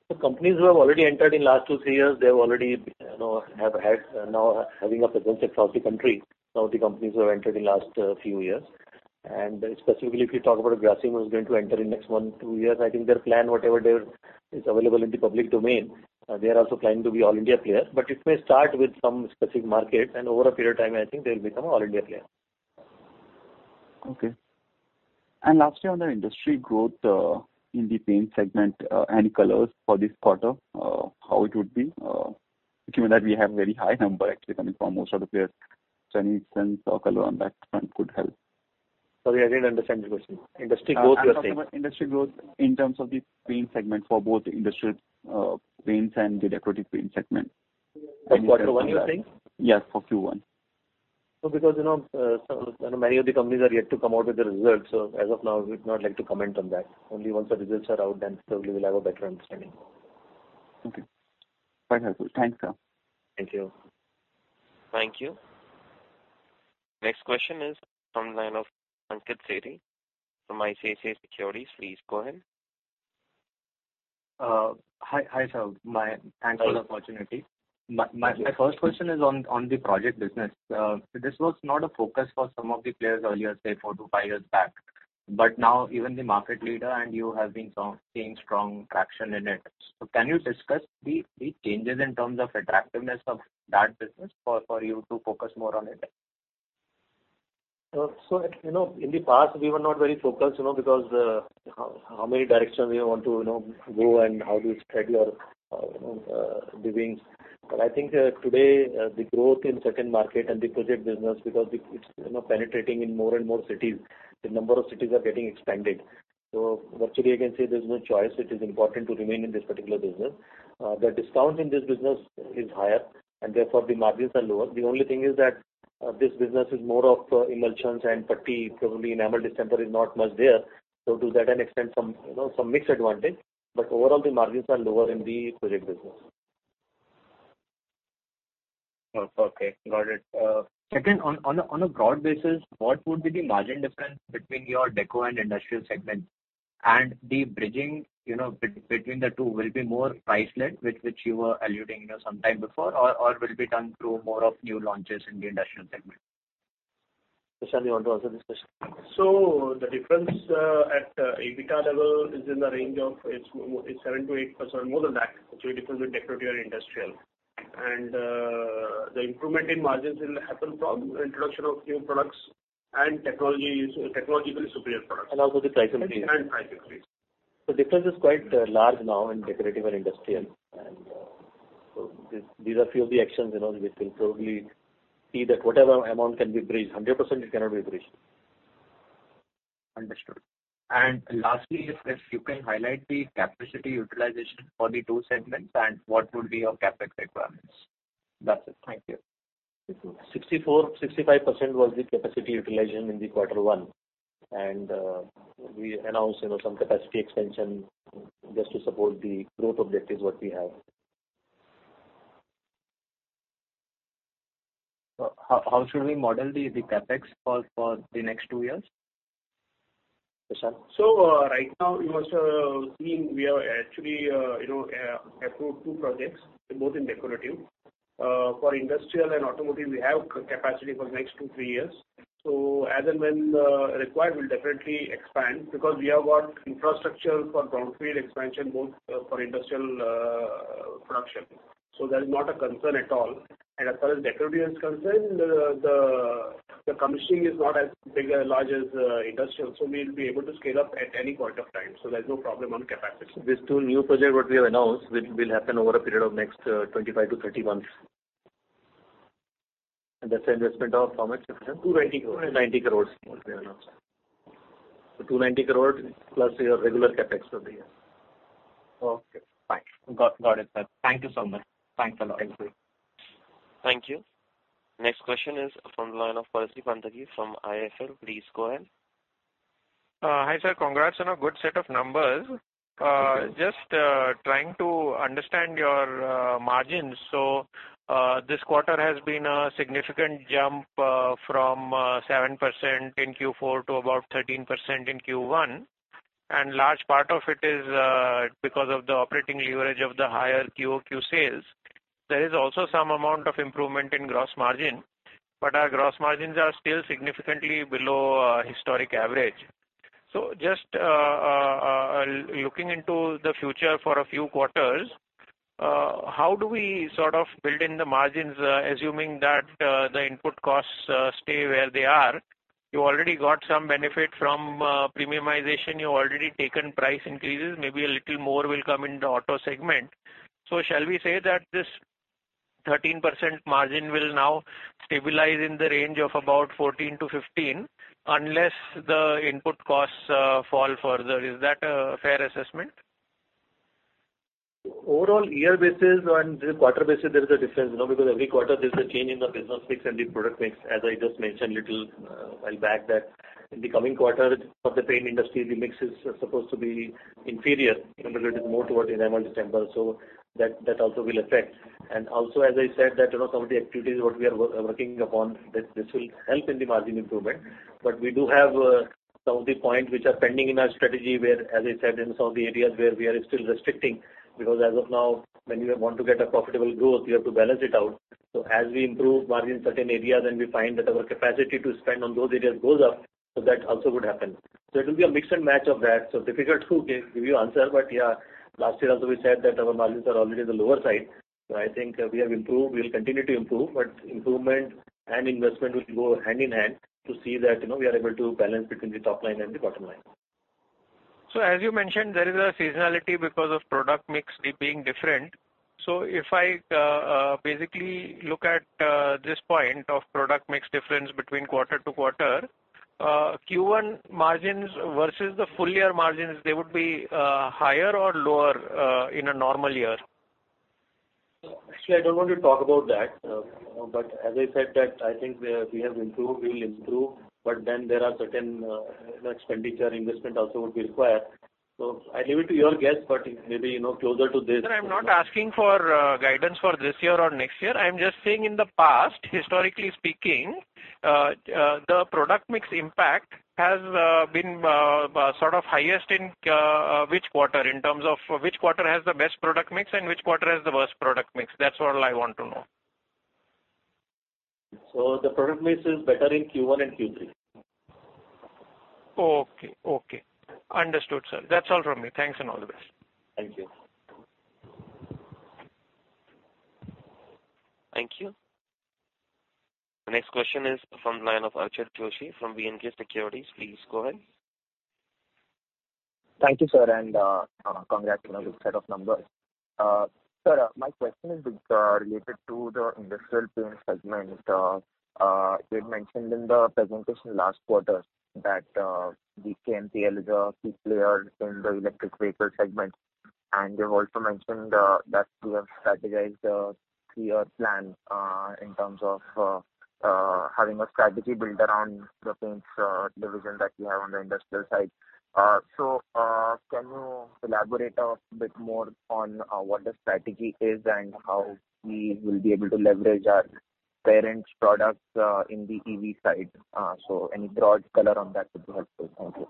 The companies who have already entered in last two-three years, they've already, you know, have had now having a presence across the country. Some of the companies who have entered in last few years. Specifically if you talk about Grasim Industries who's going to enter in next one-two years, I think their plan, whatever there is available in the public domain, they are also planning to be all India player. It may start with some specific market and over a period of time, I think they'll become all India player. Okay. Lastly on the industry growth, in the paint segment, and colors for this quarter, how it would be, given that we have very high number actually coming from most of the players. Any sense or color on that front could help. Sorry, I didn't understand the question. Industry growth you're saying? I was talking about industry growth in terms of the paint segment for both industrial paints and the decorative paint segment. For Q1 you're saying? Yes, for Q1. No, because, you know, some, you know, many of the companies are yet to come out with the results. As of now, we'd not like to comment on that. Only once the results are out, then probably we'll have a better understanding. Okay. Right. Thanks, sir. Thank you. Thank you. Next question is from the line of Ankit Sethi from ICICI Securities. Please go ahead. Hi, sir. Hello. Thanks for the opportunity. My first question is on the project business. This was not a focus for some of the players earlier, say four-five years back, but now even the market leader and you have been seeing strong traction in it. Can you discuss the changes in terms of attractiveness of that business for you to focus more on it? You know, in the past, we were not very focused, you know, because how many directions we want to, you know, go and how do you spread your, you know, wings. I think today the growth in certain market and the project business because it's, you know, penetrating in more and more cities, the number of cities are getting expanded. Virtually, I can say there's no choice. It is important to remain in this particular business. The discount in this business is higher and therefore the margins are lower. The only thing is that this business is more of emulsions and putty, probably in November, December is not much there. To that an extent some, you know, some mix advantage, but overall the margins are lower in the project business. Okay, got it. Second, on a broad basis, what would be the margin difference between your deco and industrial segment? The bridging, you know, between the two will be more price led, which you were alluding, you know, some time before or will be done through more of new launches in the industrial segment? Prashant, you want to answer this question? The difference at EBITDA level is in the range of, it's 7%-8% more than that, actually difference with decorative industrial. The improvement in margins will happen from introduction of new products and technologies, technologically superior products. Also the price increase. Price increase. The difference is quite large now in decorative and industrial. These are few of the actions, you know, which will probably see that whatever amount can be bridged, 100% it cannot be bridged. Understood. Lastly, if you can highlight the capacity utilization for the two segments and what would be your CapEx requirements? That's it. Thank you. 64%-65% was the capacity utilization in Q1. We announced, you know, some capacity expansion just to support the growth objectives what we have. How should we model the CapEx for the next two years? Prashant? Right now, you must have seen we have actually, you know, approved two projects, both in decorative. For industrial and automotive, we have capacity for next two, three years. As and when required, we'll definitely expand because we have got infrastructure for brownfield expansion, both for industrial, production. That is not a concern at all. As far as decorative is concerned, the commissioning is not as big or large as industrial, so we'll be able to scale up at any point of time. There's no problem on capacity. These two new projects what we have announced, which will happen over a period of next 25-30 months. That's investment of how much, Prashant Pai? 290 crores. 290 crores. 290 crores plus your regular CapEx for the year. Okay, fine. Got it, sir. Thank you so much. Thanks a lot. Thank you. Thank you. Next question is from the line of Paras Pandya from IIFL. Please go ahead. Hi, sir. Congrats on a good set of numbers. Thank you. Just trying to understand your margins. This quarter has been a significant jump from 7% in Q4 to about 13% in Q1, and large part of it is because of the operating leverage of the higher QOQ sales. There is also some amount of improvement in gross margin, but our gross margins are still significantly below historic average. Just looking into the future for a few quarters, how do we sort of build in the margins assuming that the input costs stay where they are? You already got some benefit from premiumization. You already taken price increases. Maybe a little more will come in the auto segment. Shall we say that this 13% margin will now stabilize in the range of about 14%-15% unless the input costs fall further? Is that a fair assessment? Overall year basis and quarter basis, there is a difference, you know, because every quarter there's a change in the business mix and the product mix, as I just mentioned little while back that in the coming quarter of the paint industry, the mix is supposed to be inferior because it is more towards November, December. That also will affect. Also as I said that, you know, some of the activities what we are working upon, this will help in the margin improvement. But we do have some of the points which are pending in our strategy where, as I said, in some of the areas where we are still restricting, because as of now, when you want to get a profitable growth, you have to balance it out. As we improve margin in certain areas and we find that our capacity to spend on those areas goes up, so that also would happen. It will be a mix and match of that. Difficult to give you answer. Yeah, last year also we said that our margins are already the lower side. I think we have improved. We'll continue to improve, but improvement and investment will go hand in hand to see that, you know, we are able to balance between the top line and the bottom line. As you mentioned, there is a seasonality because of product mix being different. If I basically look at this point of product mix difference between quarter-to-quarter, Q1 margins versus the full year margins, they would be higher or lower in a normal year? Actually, I don't want to talk about that. As I said that I think we have improved, we will improve, but then there are certain, you know, expenditure investment also would be required. I leave it to your guess, but maybe, you know, closer to this. Sir, I'm not asking for guidance for this year or next year. I'm just saying in the past, historically speaking, the product mix impact has been sort of highest in which quarter in terms of which quarter has the best product mix and which quarter has the worst product mix? That's all I want to know. The product mix is better in Q1 and Q3. Okay. Understood, sir. That's all from me. Thanks and all the best. Thank you. Thank you. The next question is from the line of Archit Joshi from B&K Securities. Please go ahead. Thank you, sir, and congrats on a good set of numbers. Sir, my question is related to the industrial paints segment. You had mentioned in the presentation last quarter that KNPL is a key player in the electric vehicle segment. You've also mentioned that you have strategized a clear plan in terms of having a strategy built around the paint's division that you have on the industrial side. Can you elaborate a bit more on what the strategy is and how we will be able to leverage our parent's products in the EV side? Any broad color on that would be helpful. Thank you.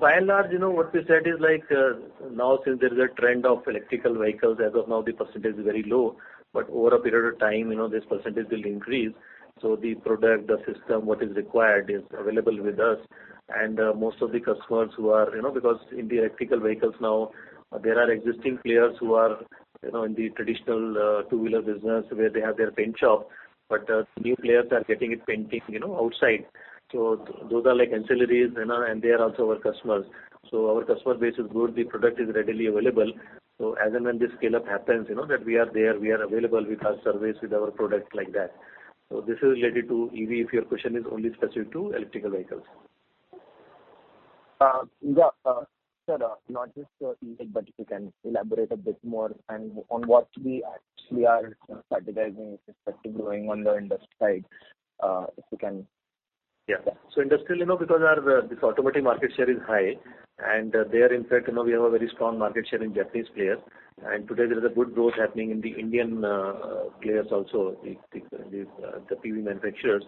By and large, you know, what we said is like, now since there is a trend of electric vehicles, as of now the percentage is very low, but over a period of time, you know, this percentage will increase. The product, the system, what is required is available with us. Most of the customers who are you know, because in the electric vehicles now, there are existing players who are, you know, in the traditional, two-wheeler business where they have their paint shop, but new players are getting their painting outside. Those are like ancillaries, you know, and they are also our customers. Our customer base is good. The product is readily available. As and when the scale-up happens, you know, that we are there, we are available with our service, with our product like that. This is related to EV, if your question is only specific to electric vehicles. Sir, not just EV, but if you can elaborate a bit more and on what we actually are strategizing with respect to growing on the industrial side, if you can. Yeah. Industrial, you know, because our this automotive market share is high, and in fact, you know, we have a very strong market share in Japanese players. Today there is a good growth happening in the Indian players also, the PV manufacturers.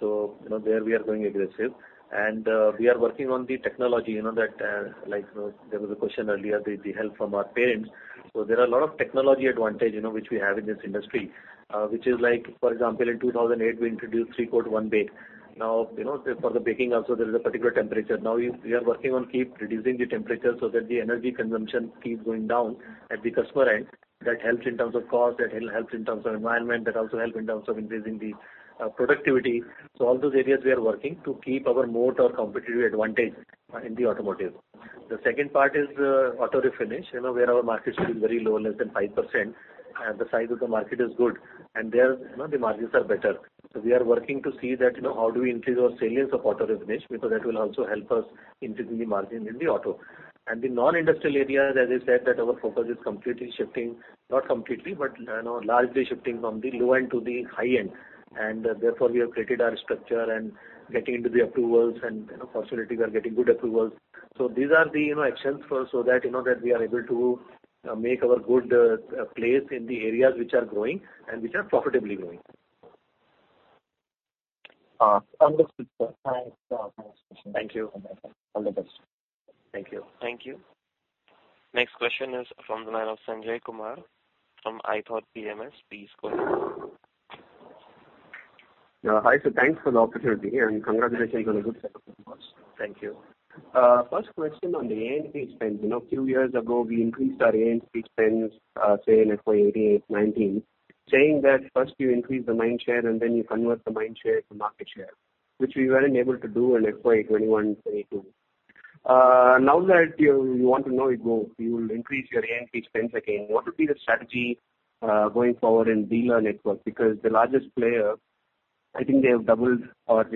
You know, there we are growing aggressive. We are working on the technology, you know, that, like, you know, there was a question earlier, the help from our parents. There are a lot of technology advantage, you know, which we have in this industry, which is like for example, in 2008 we introduced three-coat, one-bake. Now, you know, for the baking also there is a particular temperature. We are working on keep reducing the temperature so that the energy consumption keeps going down at the customer end. That helps in terms of cost, that helps in terms of environment, that also help in terms of increasing the productivity. All those areas we are working to keep our moat or competitive advantage in the automotive. The second part is auto refinish, you know, where our market share is very low, less than 5%. The size of the market is good. There, you know, the margins are better. We are working to see that, you know, how do we increase our salience of auto refinish because that will also help us increase the margin in the auto. The non-industrial area, as I said, that our focus is completely shifting, not completely, but you know, largely shifting from the low-end to the high-end. Therefore, we have created our structure and getting into the approvals and, you know, fortunately we are getting good approvals. These are the, you know, actions for so that, you know, that we are able to make our good place in the areas which are growing and which are profitably growing. Understood, sir. Thanks. Next question. Thank you. All the best. Thank you. Thank you. Next question is from the line of Sanjay Kumar from iThought PMS. Please go ahead. Hi, sir. Thanks for the opportunity and congratulations on a good set of numbers. Thank you. First question on the A&P spends. You know, a few years ago, we increased our A&P spends, say in FY 2018, 2019, saying that first you increase the mind share and then you convert the mind share to market share, which we weren't able to do in FY 2021, 2022. Now that you want to grow, you will increase your A&P spends again. What would be the strategy going forward in dealer network? Because the largest player, I think they have doubled or at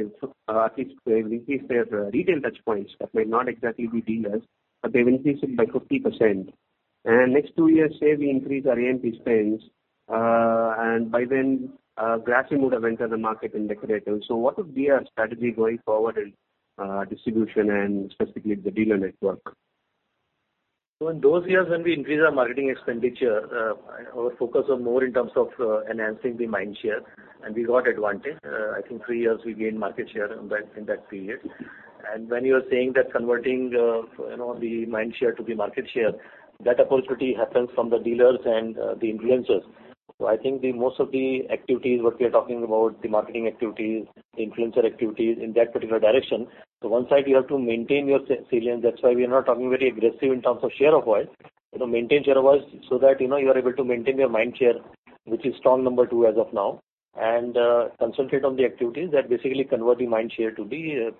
least they've increased their retail touchpoints. That may not exactly be dealers, but they've increased it by 50%. Next two years, say we increase our A&P spends, and by then, Grasim would have entered the market in decorative. What would be our strategy going forward in distribution and specifically the dealer network? In those years when we increased our marketing expenditure, our focus was more in terms of enhancing the mind share, and we got advantage. I think three years we gained market share in that period. When you are saying that converting, you know, the mind share to the market share, that opportunity happens from the dealers and the influencers. I think most of the activities, what we are talking about, the marketing activities, the influencer activities in that particular direction. One side you have to maintain your salience. That's why we are not talking very aggressive in terms of share of voice. You know, maintain share of voice so that, you know, you are able to maintain your mind share, which is strong number two as of now. Concentrate on the activities that basically convert the mind share to the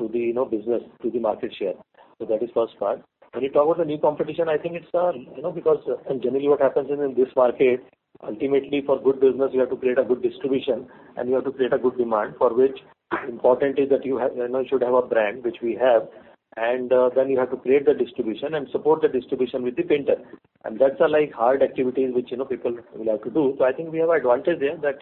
business, to the market share. That is first part. When you talk about the new competition, I think it's you know, because and generally what happens in this market, ultimately for good business, you have to create a good distribution and you have to create a good demand for which it is important that you have you know, should have a brand which we have, and then you have to create the distribution and support the distribution with the painter. That's a like, hard activity which you know, people will have to do. I think we have advantage there that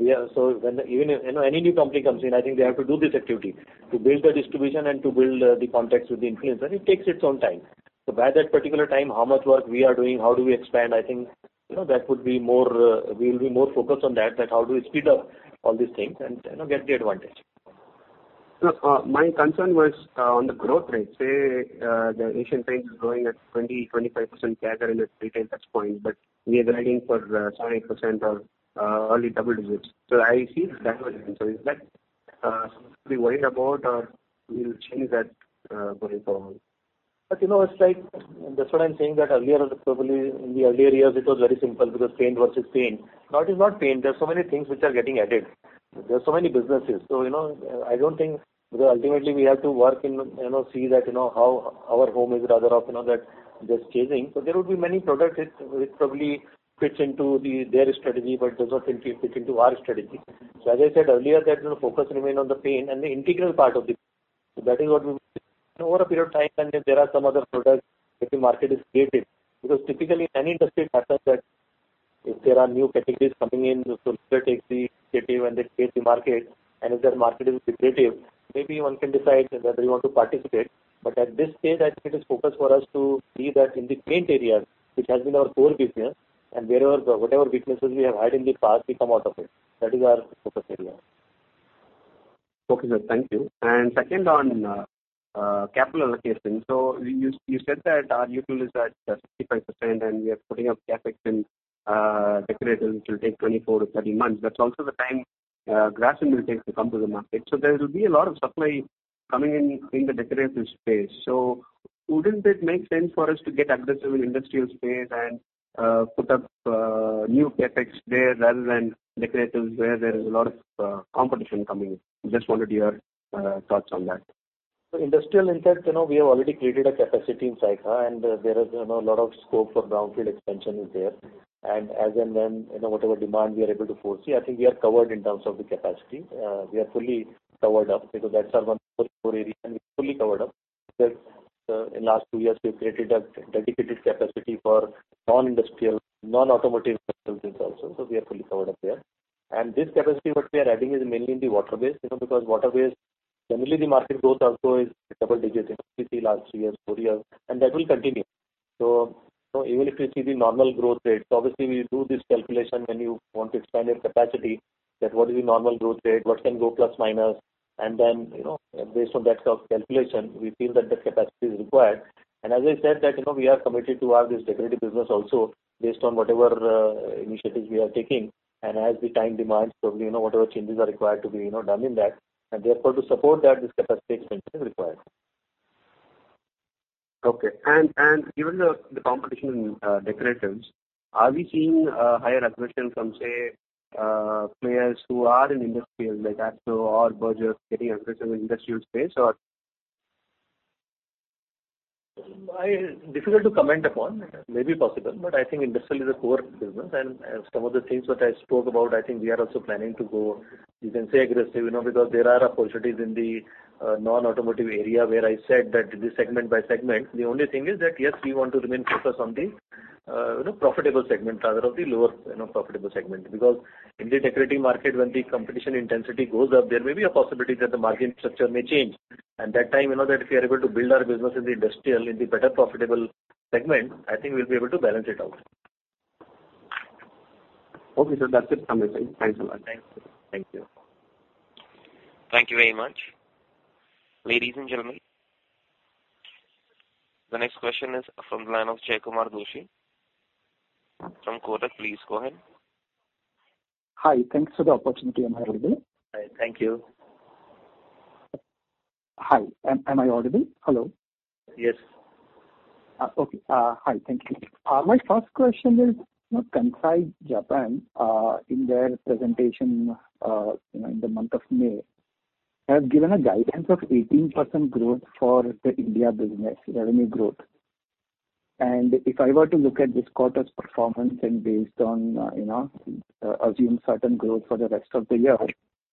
even if, you know, any new company comes in, I think they have to do this activity to build the distribution and to build the context with the influencer, and it takes its own time. By that particular time, how much work we are doing, how do we expand, I think, you know, that would be more, we will be more focused on that how do we speed up all these things and, you know, get the advantage. No, my concern was on the growth rate. Say, Asian Paints is growing at 20-25% CAGR in the retail touch point, but we are guiding for 7% or early double digits. I see the divergence. Is that something to be worried about or we will change that going forward? You know, it's like, that's what I'm saying, that earlier on, probably in the earlier years it was very simple because paint versus paint. Now it is not paint. There are so many things which are getting added. There are so many businesses. You know, I don't think. Because ultimately we have to work and, you know, see that, you know, how our home is rather than, you know, that just changing. There will be many products which probably fits into their strategy, but does not fit into our strategy. As I said earlier, that, you know, focus remain on the paint and the integral part of it. That is what we. Over a period of time, if there are some other products that the market is created. Because typically in any industry it happens that if there are new categories coming in, so leader takes the initiative and they create the market. If that market is decorative, maybe one can decide whether you want to participate. At this stage, I think it is focus for us to see that in the paint area, which has been our core business, and wherever, whatever weaknesses we have had in the past, we come out of it. That is our focus area. Okay, sir. Thank you. Second on capital allocation. You said that our utilization is at 65% and we are putting up CapEx in decorative, which will take 24-30 months. That's also the time Grasim Industries will take to come to the market. There will be a lot of supply coming in the decorative space. Wouldn't it make sense for us to get aggressive in industrial space and put up new CapEx there rather than decoratives where there is a lot of competition coming in? Just wanted your thoughts on that. Industrial in that, you know, we have already created a capacity in Sayakha, and there is, you know, a lot of scope for brownfield expansion is there. As and when, you know, whatever demand we are able to foresee, I think we are covered in terms of the capacity. We are fully covered up because that's our one core area and we're fully covered up. In last two years, we've created a dedicated capacity for non-industrial, non-automotive applications also. We are fully covered up there. This capacity what we are adding is mainly in the water-based, you know, because water-based, generally the market growth also is double digits in last three years, four years, and that will continue. Even if you see the normal growth rate, obviously we do this calculation when you want to expand your capacity, that what is the normal growth rate, what can go plus minus. You know, based on that calculation, we feel that the capacity is required. As I said that, you know, we are committed to our this decorative business also based on whatever, initiatives we are taking. As the time demands, probably, you know, whatever changes are required to be, you know, done in that. Therefore, to support that, this capacity expansion is required. Okay. Given the competition in decoratives, are we seeing higher aggression from, say, players who are in industrial like AkzoNobel or Berger Paints getting aggressive in industrial space or? Difficult to comment upon. Maybe possible, but I think industrial is a core business. Some of the things that I spoke about, I think we are also planning to go, you can say aggressive, you know, because there are opportunities in the non-automotive area where I said that it is segment by segment. The only thing is that, yes, we want to remain focused on the profitable segment rather than the lower profitable segment. Because in the decorative market, when the competition intensity goes up, there may be a possibility that the margin structure may change. At that time, you know, that if we are able to build our business in the industrial, in the better profitable segment, I think we'll be able to balance it out. Okay, sir. That's it from me. Thanks a lot. Thanks. Thank you. Thank you very much. Ladies and gentlemen, the next question is from the line of Jaykumar Doshi from Kotak. Please go ahead. Hi. Thanks for the opportunity. Am I audible? Hi. Thank you. Hi. Am I audible? Hello? Yes. Okay. Hi. Thank you. My first question is, you know, Kansai Paint, in their presentation, you know, in the month of May, have given a guidance of 18% growth for the India business revenue growth. If I were to look at this quarter's performance and based on, you know, assume certain growth for the rest of the year,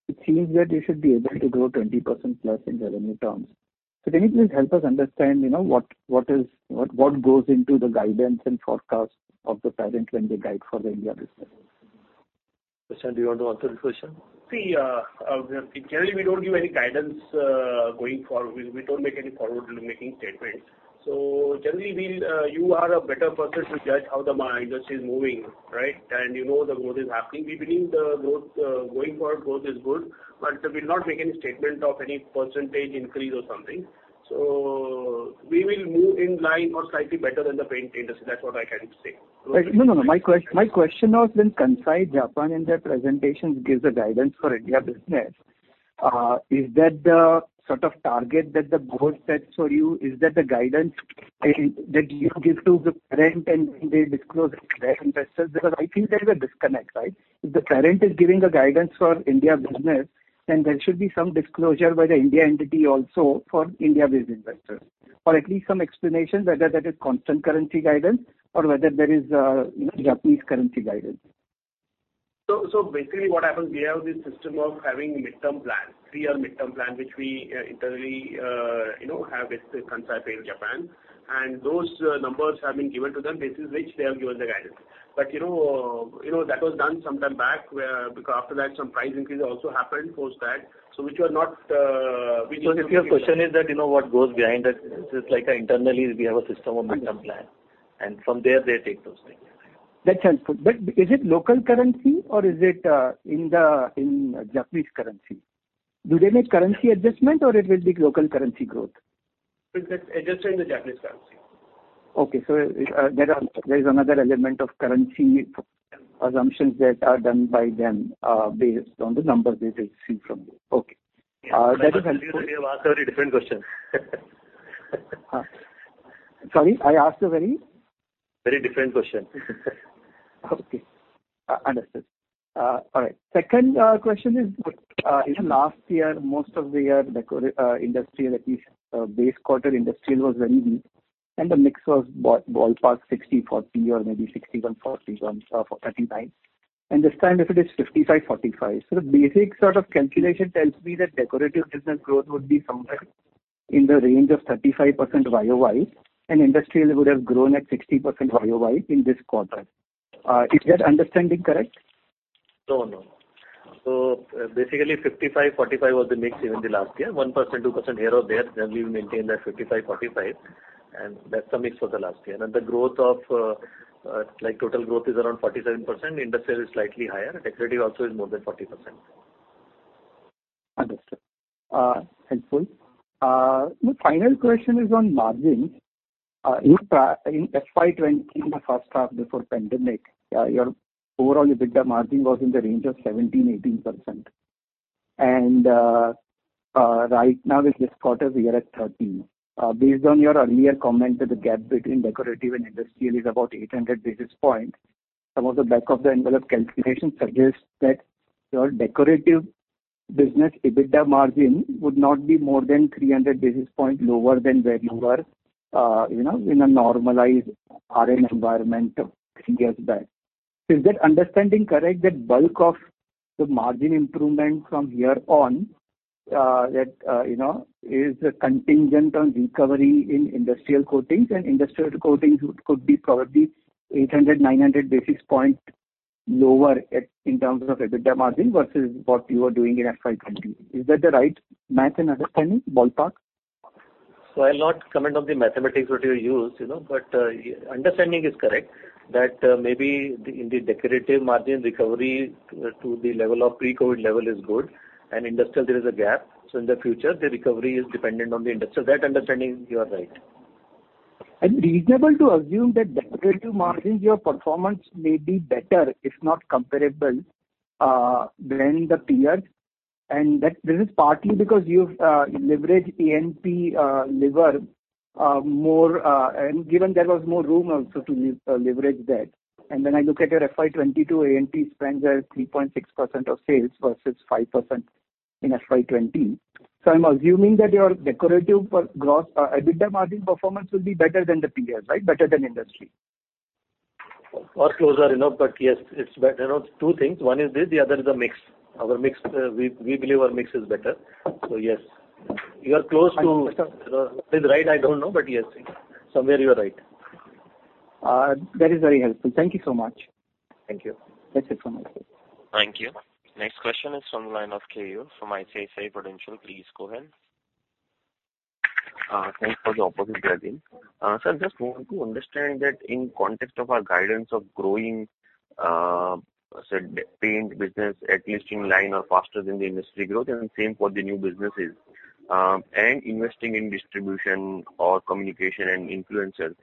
it seems that you should be able to grow 20% plus in revenue terms. Can you please help us understand, you know, what goes into the guidance and forecast of the parent when they guide for the India business? Prashant, do you want to answer this question? See, generally we don't give any guidance going forward. We don't make any forward-looking statements. You are a better person to judge how the industry is moving, right? You know the growth is happening. We believe the growth going forward growth is good, but we'll not make any statement of any percentage increase or something. We will move in line or slightly better than the paint industry. That's what I can say. No, no. My question was when Kansai Paint in their presentations gives a guidance for India business, is that the sort of target that the board sets for you? Is that the guidance that you give to the parent and when they disclose to their investors? Because I think there is a disconnect, right? If the parent is giving a guidance for India business, then there should be some disclosure by the India entity also for India-based investors. Or at least some explanation whether that is constant currency guidance or whether there is, you know, Japanese currency guidance. Basically what happens, we have this system of having midterm plans, three-year midterm plan, which we internally you know have with Kansai Paint in Japan. Those numbers have been given to them, basis which they have given the guidance. You know that was done some time back where after that some price increase also happened post that. Which were not. If your question is that, you know what goes behind that, this is like internally we have a system of midterm plan. Mm-hmm. From there they take those things. That's helpful. Is it local currency or is it in Japanese currency? Do they make currency adjustment or it will be local currency growth? It gets adjusted in the Japanese currency. There is another element of currency assumptions that are done by them, based on the numbers they receive from you. Okay. Yeah. That is helpful. You have asked a very different question. Sorry. I asked a very? Very different question. Okay. Understood. All right. Second question is, in last year, most of the year, industrial, at least, base quarter industrial was very weak and the mix was ballpark 60/40 or maybe 61/39. This time if it is 55/45. The basic sort of calculation tells me that decorative business growth would be somewhere in the range of 35% YOY, and industrial would have grown at 60% YOY in this quarter. Is that understanding correct? No, no. Basically 55/45 was the mix even the last year. 1%, 2% here or there, then we've maintained that 55/45, and that's the mix for the last year. The growth of, like total growth is around 47%, industrial is slightly higher. Decorative also is more than 40%. Understood. Helpful. My final question is on margins. In FY 2020, in the first half before pandemic, your overall EBITDA margin was in the range of 17%-18%. Right now this quarter we are at 13%. Based on your earlier comment that the gap between decorative and industrial is about 800 basis points, some of the back of the envelope calculations suggest that your decorative business EBITDA margin would not be more than 300 basis points lower than where you were, you know, in a normalized RM environment six years back. Is that understanding correct, that bulk of the margin improvement from here on, you know, is contingent on recovery in industrial coatings, and industrial coatings could be probably 800-900 basis points lower at, in terms of EBITDA margin versus what you are doing in FY 2020. Is that the right math and understanding, ballpark? I'll not comment on the mathematics that you used, you know, but understanding is correct, that maybe in the decorative margin recovery to the level of pre-COVID level is good and industrial there is a gap. In the future the recovery is dependent on the industrial. That understanding, you are right. Reasonable to assume that decorative margins, your performance may be better, if not comparable, than the peers, and that this is partly because you've leveraged A&P more, and given there was more room also to leverage that. When I look at your FY 2022 A&P spends are 3.6% of sales versus 5% in FY 2020. I'm assuming that your decorative per gross EBITDA margin performance will be better than the peers, right? Better than industry. Close enough. Yes, it's there are two things. One is this, the other is the mix. Our mix, we believe our mix is better. Yes. You are close to. Understood. You're right, I don't know. Yes, somewhere you are right. That is very helpful. Thank you so much. Thank you. That's it from my side. Thank you. Next question is from the line of Kunal Shah, from ICICI Securities. Please go ahead. Thanks for the opportunity, Jain. Sir, just want to understand that in context of our guidance of growing, say paint business, at least in line or faster than the industry growth and same for the new businesses, and investing in distribution or communication and influencers.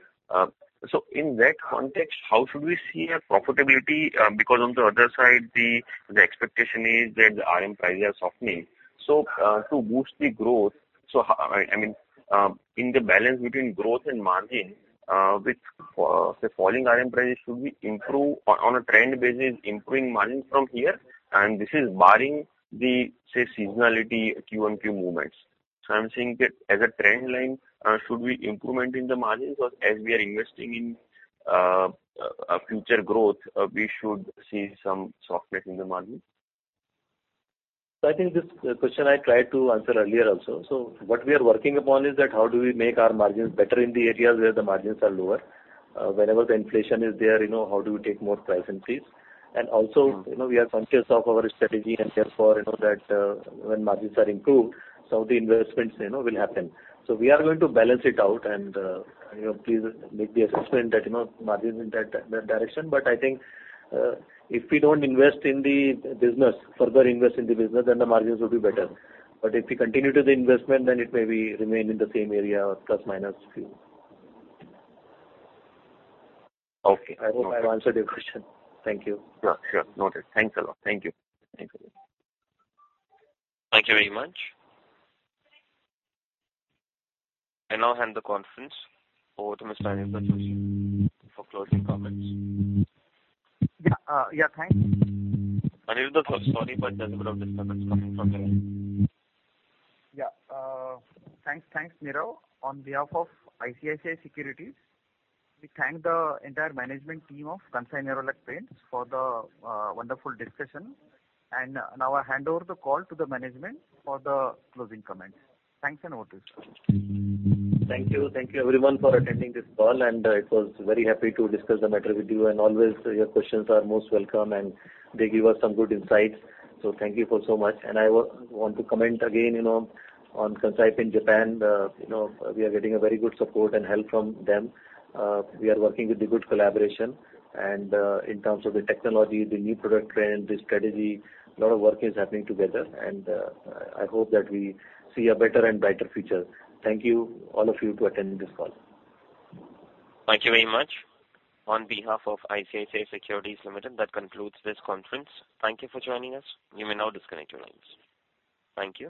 In that context, how should we see a profitability? Because on the other side, the expectation is that the RM prices are softening. To boost the growth, I mean, in the balance between growth and margin, which, say falling RM prices should we improve on a trend basis, improving margin from here? This is barring the, say, seasonality Q-on-Q movements. I'm saying that as a trend line, should we see improvement in the margins or as we are investing in a future growth, we should see some softening in the margins? I think this question I tried to answer earlier also. What we are working upon is that how do we make our margins better in the areas where the margins are lower. Wherever the inflation is there, you know, how do we take more price increases. Mm-hmm. You know, we are conscious of our strategy and therefore you know that when margins are improved, some of the investments, you know, will happen. We are going to balance it out and, you know, please make the assessment that, you know, margin in that direction. But I think if we don't further invest in the business, then the margins will be better. But if we continue to the investment, then it may remain in the same area or plus minus few. Okay. I hope I've answered your question. Thank you. Yeah, sure. Noted. Thanks a lot. Thank you. Thanks again. Thank you very much. I now hand the conference over to Mr. Aniruddha for closing comments. Yeah, thanks. Anirudh, sorry, but there's a bit of disturbance coming from your line. Yeah. Thanks. Thanks, Nirav. On behalf of ICICI Securities, we thank the entire management team of Kansai Nerolac Paints for the wonderful discussion. Now I hand over the call to the management for the closing comments. Thanks and over to you, sir. Thank you. Thank you everyone for attending this call, and I was very happy to discuss the matter with you. Always your questions are most welcome, and they give us some good insights. Thank you so much. I want to comment again, you know, on Kansai in Japan. You know, we are getting a very good support and help from them. We are working with the good collaboration and, in terms of the technology, the new product trend, the strategy, a lot of work is happening together, and I hope that we see a better and brighter future. Thank you all of you for attending this call. Thank you very much. On behalf of ICICI Securities Limited, that concludes this conference. Thank you for joining us. You may now disconnect your lines. Thank you.